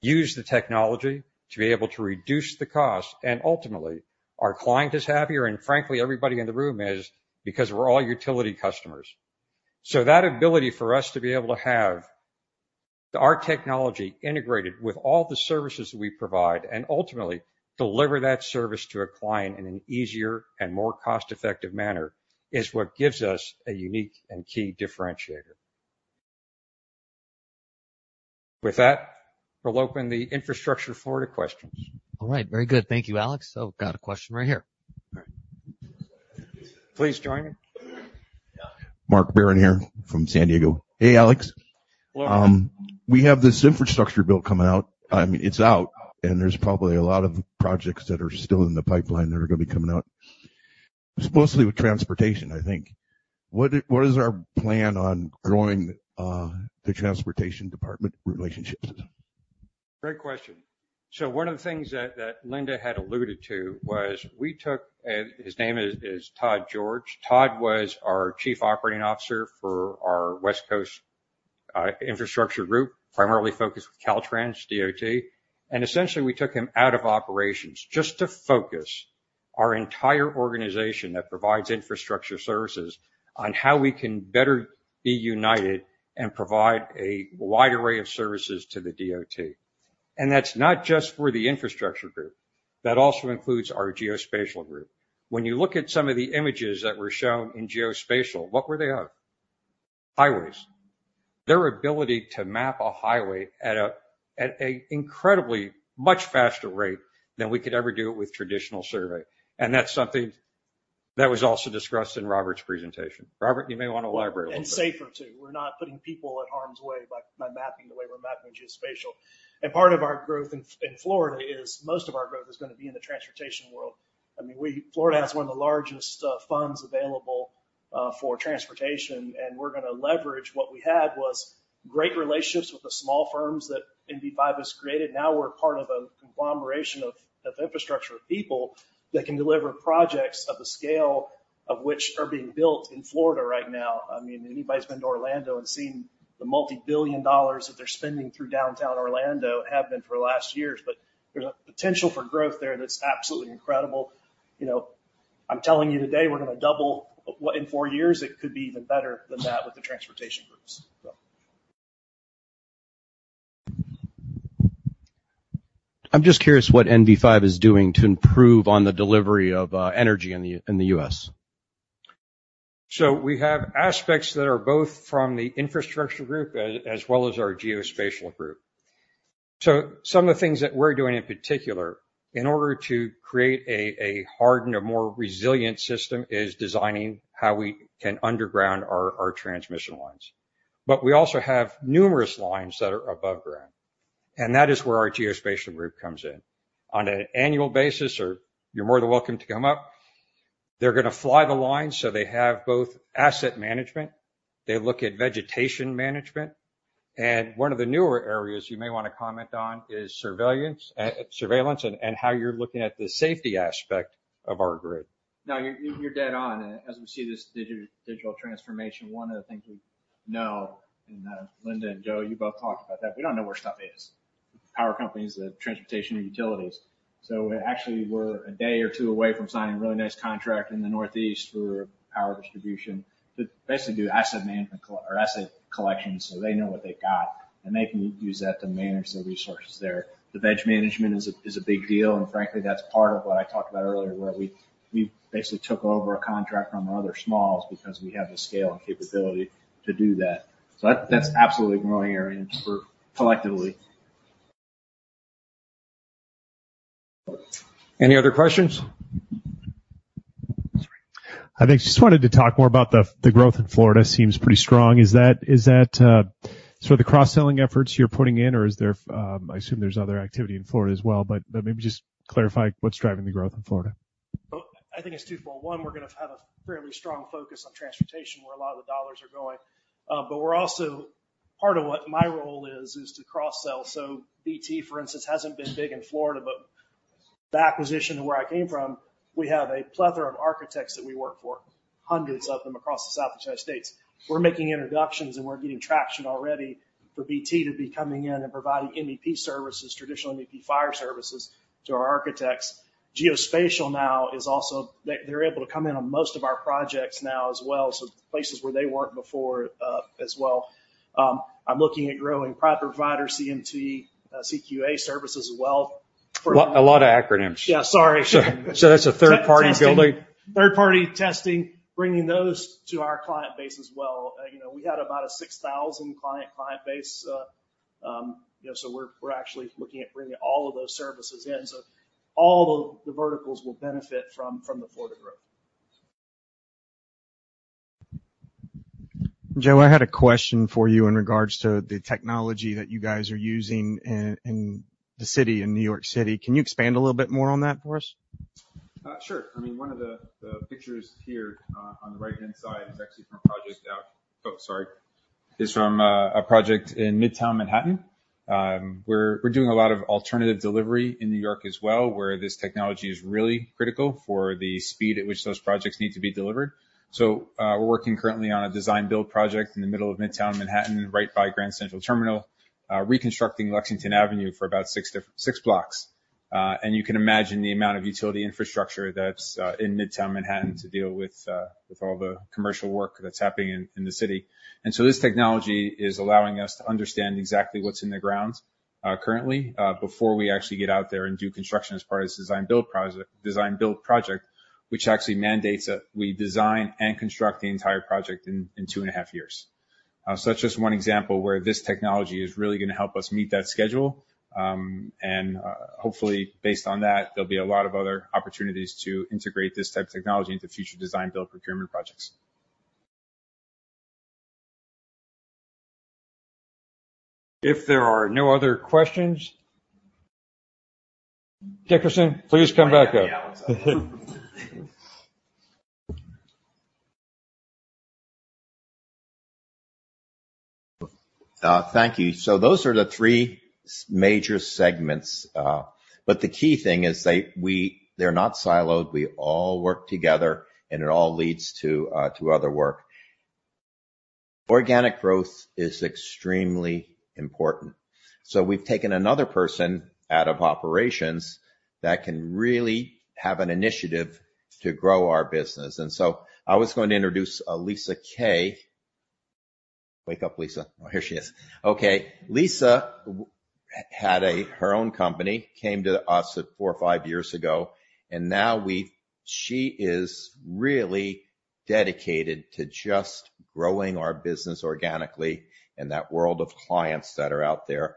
use the technology to be able to reduce the cost, and ultimately, our client is happier, and frankly, everybody in the room is, because we're all utility customers. So that ability for us to be able to have our technology integrated with all the services we provide and ultimately deliver that service to a client in an easier and more cost-effective manner, is what gives us a unique and key differentiator. With that, we'll open the infrastructure floor to questions.
All right. Very good. Thank you, Alex. Oh, got a question right here.
All right. Please join in.
Mark Barron here from San Diego. Hey, Alex.
Hello.
We have this infrastructure bill coming out. I mean, it's out, and there's probably a lot of projects that are still in the pipeline that are going to be coming out. ... mostly with transportation, I think. What, what is our plan on growing the Transportation Department relationships?
Great question. So one of the things that Linda had alluded to was that we took—his name is Todd George— Todd was our Chief Operating Officer for our West Infrastructure group, primarily focused with Caltrans DOT. And essentially, we took him out of operations just to focus our entire organization that provides infrastructure services on how we can better be united and provide a wide array of services to the DOT. And that's not just for Infrastructure group. that also includes our Geospatial group. When you look at some of the images that were shown in geospatial, what were they of? Highways. Their ability to map a highway at an incredibly much faster rate than we could ever do it with traditional survey, and that's something that was also discussed in Robert's presentation. Robert, you may want to elaborate a little bit.
And safer, too. We're not putting people at harm's way by mapping the way we're mapping geospatial. And part of our growth in Florida is most of our growth is gonna be in the transportation world. I mean, Florida has one of the largest funds available for transportation, and we're gonna leverage what we had was great relationships with the small firms that NV5 has created. Now, we're part of a conglomeration of infrastructure people that can deliver projects of the scale of which are being built in Florida right now. I mean, if anybody's been to Orlando and seen the multi-billion dollars that they're spending through downtown Orlando, have been for the last years, but there's a potential for growth there that's absolutely incredible. You know, I'm telling you today, we're gonna double in four years. It could be even better than that with the transportation groups, so.
I'm just curious what NV5 is doing to improve on the delivery of energy in the US.
So we have aspects that are both from Infrastructure group as well as our Geospatial group. So some of the things that we're doing, in particular, in order to create a hardened or more resilient system, is designing how we can underground our transmission lines. But we also have numerous lines that are above ground, and that is where our Geospatial group comes in. On an annual basis, or you're more than welcome to come up, they're gonna fly the line, so they have both asset management, they look at vegetation management, and one of the newer areas you may want to comment on is surveillance and how you're looking at the safety aspect of our grid.
Now, you're dead on. As we see this digital transformation, one of the things we know, and Linda and Joe, you both talked about that, we don't know where stuff is, power companies, the transportation, and utilities. So actually, we're a day or two away from signing a really nice contract in the Northeast for power distribution to basically do asset management or asset collection, so they know what they've got, and they can use that to manage their resources there. The veg management is a big deal, and frankly, that's part of what I talked about earlier, where we basically took over a contract from other smalls because we have the scale and capability to do that. So that's absolutely a growing area for collectively.
Any other questions?
I think just wanted to talk more about the growth in Florida. Seems pretty strong. Is that so the cross-selling efforts you're putting in, or is there... I assume there's other activity in Florida as well, but maybe just clarify what's driving the growth in Florida.
Well, I think it's twofold. One, we're gonna have a fairly strong focus on transportation, where a lot of the dollars are going. But we're also part of what my role is, is to cross-sell. So BT, for instance, hasn't been big in Florida, but the acquisition and where I came from, we have a plethora of architects that we work for, hundreds of them across the South United States. We're making introductions, and we're getting traction already for BT to be coming in and providing MEP services, traditional MEP fire services to our architects. Geospatial now is also. They, they're able to come in on most of our projects now as well, so places where they weren't before, as well. I'm looking at growing Private Provider, CMT, CQA services as well.
A lot, a lot of acronyms.
Yeah, sorry.
So that's a third-party building?
Third-party testing, bringing those to our client base as well. You know, we had about a 6,000-client base, you know, so we're actually looking at bringing all of those services in. So all the verticals will benefit from the Florida growth.
Joe, I had a question for you in regards to the technology that you guys are using in, in the city, in New York City. Can you expand a little bit more on that for us?
Sure. I mean, one of the pictures here on the right-hand side is actually from a project in Midtown Manhattan. We're doing a lot of alternative delivery in New York as well, where this technology is really critical for the speed at which those projects need to be delivered. So, we're working currently on a design-build project in the middle of Midtown Manhattan, right by Grand Central Terminal, reconstructing Lexington Avenue for about 6 to 6 blocks. And you can imagine the amount of utility infrastructure that's in Midtown Manhattan to deal with, with all the commercial work that's happening in the city. And so this technology is allowing us to understand exactly what's in the ground, currently, before we actually get out there and do construction as part of this design-build project, design-build project, which actually mandates that we design and construct the entire project in 2.5 years. So that's just one example where this technology is really gonna help us meet that schedule. And, hopefully, based on that, there'll be a lot of other opportunities to integrate this type of technology into future design-build procurement projects....
If there are no other questions, Dickerson, please come back up.
Thank you. So those are the three major segments, but the key thing is they, they're not siloed. We all work together, and it all leads to other work. Organic growth is extremely important. So we've taken another person out of operations that can really have an initiative to grow our business. And so I was going to introduce Lisa Kay. Wake up, Lisa. Oh, here she is. Okay, Lisa had her own company, came to us four or five years ago, and now she is really dedicated to just growing our business organically in that world of clients that are out there.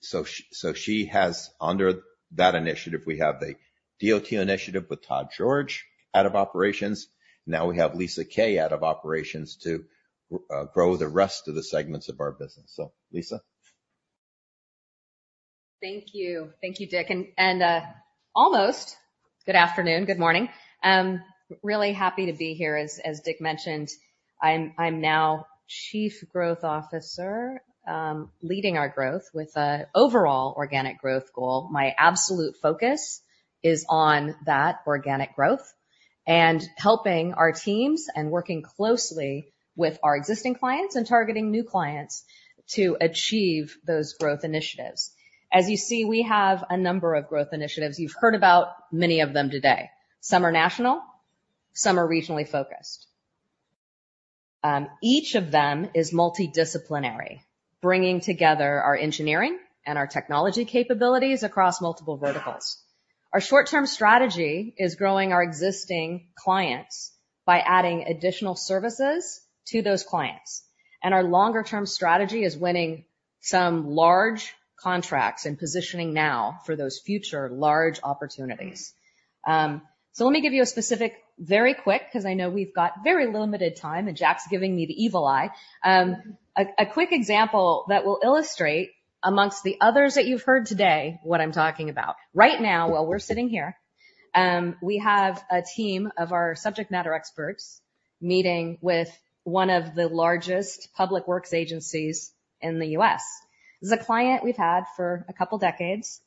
So she has under that initiative, we have the DOT initiative with Todd George out of operations. Now we have Lisa Kay out of operations to grow the rest of the segments of our business. So, Lisa?
Thank you. Thank you, Dick. Almost good afternoon. Good morning. Really happy to be here as Dick mentioned. I'm now Chief Growth Officer, leading our growth with an overall organic growth goal. My absolute focus is on that organic growth and helping our teams and working closely with our existing clients and targeting new clients to achieve those growth initiatives. As you see, we have a number of growth initiatives. You've heard about many of them today. Some are national, some are regionally focused. Each of them is multidisciplinary, bringing together our engineering and our technology capabilities across multiple verticals. Our short-term strategy is growing our existing clients by adding additional services to those clients. Our longer-term strategy is winning some large contracts and positioning now for those future large opportunities. So let me give you a specific, very quick, because I know we've got very limited time, and Jack's giving me the evil eye. A quick example that will illustrate among the others that you've heard today, what I'm talking about. Right now, while we're sitting here, we have a team of our subject matter experts meeting with one of the largest public works agencies in the U.S. This is a client we've had for a couple of decades.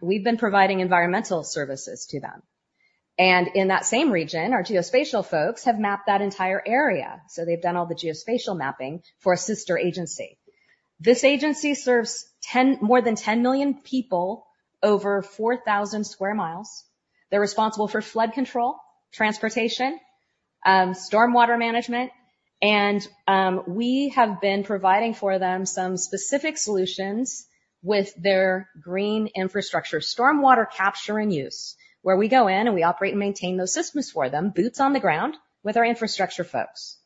We've been providing environmental services to them. And in that same region, our geospatial folks have mapped that entire area, so they've done all the geospatial mapping for a sister agency. This agency serves 10-- more than 10 million people over 4,000 square miles. They're responsible for flood control, transportation, storm water management, and we have been providing for them some specific solutions with their green infrastructure, storm water capture and use, where we go in and we operate and maintain those systems for them, boots on the ground with our infrastructure folks.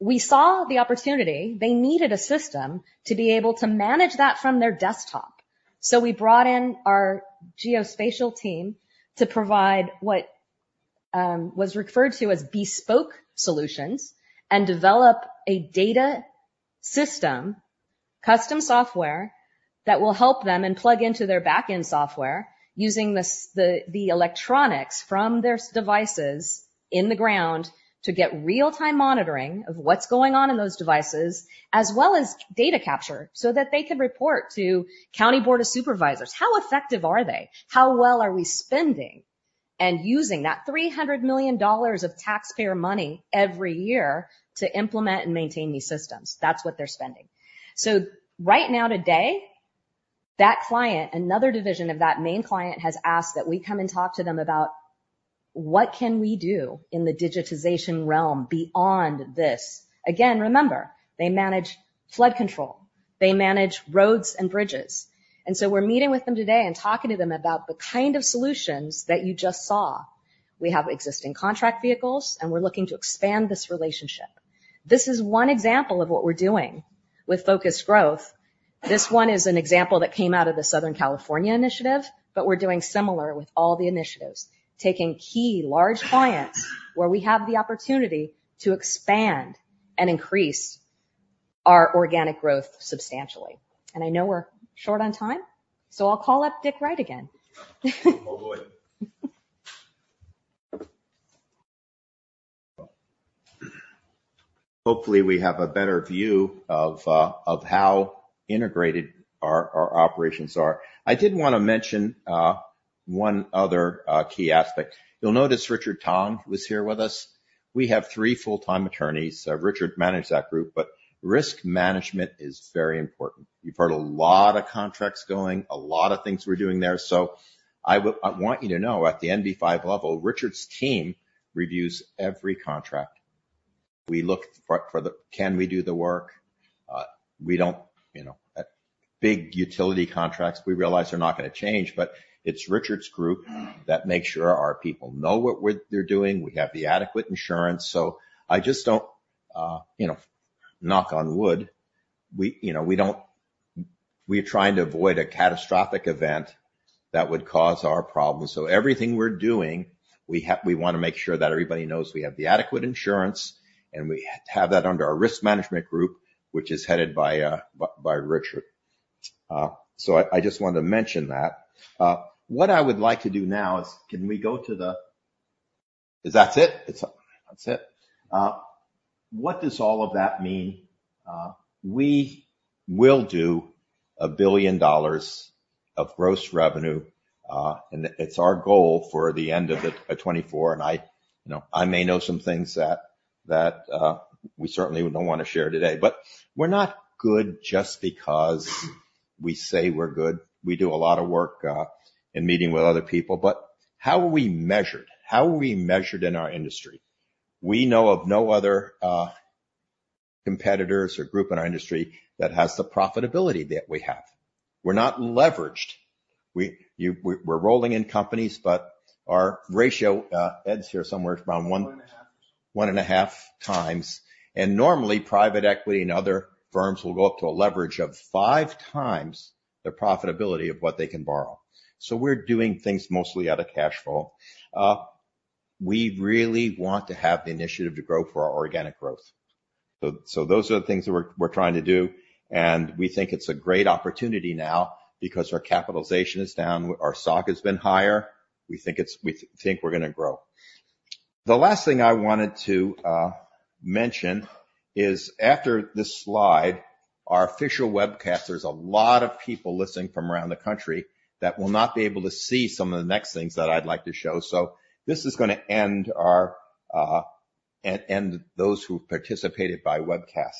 We saw the opportunity. They needed a system to be able to manage that from their desktop. So we brought in our geospatial team to provide what was referred to as bespoke solutions and develop a data system, custom software, that will help them and plug into their back-end software using the electronics from their devices in the ground to get real-time monitoring of what's going on in those devices, as well as data capture, so that they could report to county board of supervisors. How effective are they? How well are we spending and using that $300 million of taxpayer money every year to implement and maintain these systems? That's what they're spending. So right now, today, that client, another division of that main client, has asked that we come and talk to them about what can we do in the digitization realm beyond this. Again, remember, they manage flood control, they manage roads and bridges, and so we're meeting with them today and talking to them about the kind of solutions that you just saw. We have existing contract vehicles, and we're looking to expand this relationship. This is one example of what we're doing with focused growth. This one is an example that came out of the Southern California initiative, but we're doing similar with all the initiatives, taking key large clients where we have the opportunity to expand and increase our organic growth substantially. I know we're short on time, so I'll call up Dick Wright again.
Oh, boy. Hopefully, we have a better view of of how integrated our, our operations are. I did wanna mention, one other, key aspect. You'll notice Richard Tong was here with us. We have three full-time attorneys. Richard managed that group, but risk management is very important. You've heard a lot of contracts going, a lot of things we're doing there. So I would... I want you to know, at the NV5 level, Richard's team reviews every contract. We look for, for the, can we do the work? We don't, you know, big utility contracts, we realize they're not gonna change, but it's Richard's group that makes sure our people know what we're- they're doing, we have the adequate insurance. So I just don't, you know, knock on wood, we, you know, we don't—we're trying to avoid a catastrophic event that would cause our problems. So everything we're doing, we have—we wanna make sure that everybody knows we have the adequate insurance, and we have to have that under our risk management group, which is headed by Richard. So I just wanted to mention that. What I would like to do now is, can we go to the... Is that it? That's it. What does all of that mean? We will do $1 billion of gross revenue, and it's our goal for the end of 2024, and I, you know, I may know some things that we certainly don't wanna share today. But we're not good just because we say we're good. We do a lot of work in meeting with other people, but how are we measured? How are we measured in our industry? We know of no other competitors or group in our industry that has the profitability that we have. We're not leveraged. We're rolling in companies, but our ratio, Ed's here somewhere, is around one- 1.5x, and normally, private equity and other firms will go up to a leverage of 5x the profitability of what they can borrow. So we're doing things mostly out of cash flow. We really want to have the initiative to grow for our organic growth. So those are the things that we're trying to do, and we think it's a great opportunity now because our capitalization is down, our stock has been higher. We think it's... We think we're gonna grow. The last thing I wanted to mention is after this slide, our official webcast, there's a lot of people listening from around the country that will not be able to see some of the next things that I'd like to show. So this is gonna end our, and those who've participated by webcast.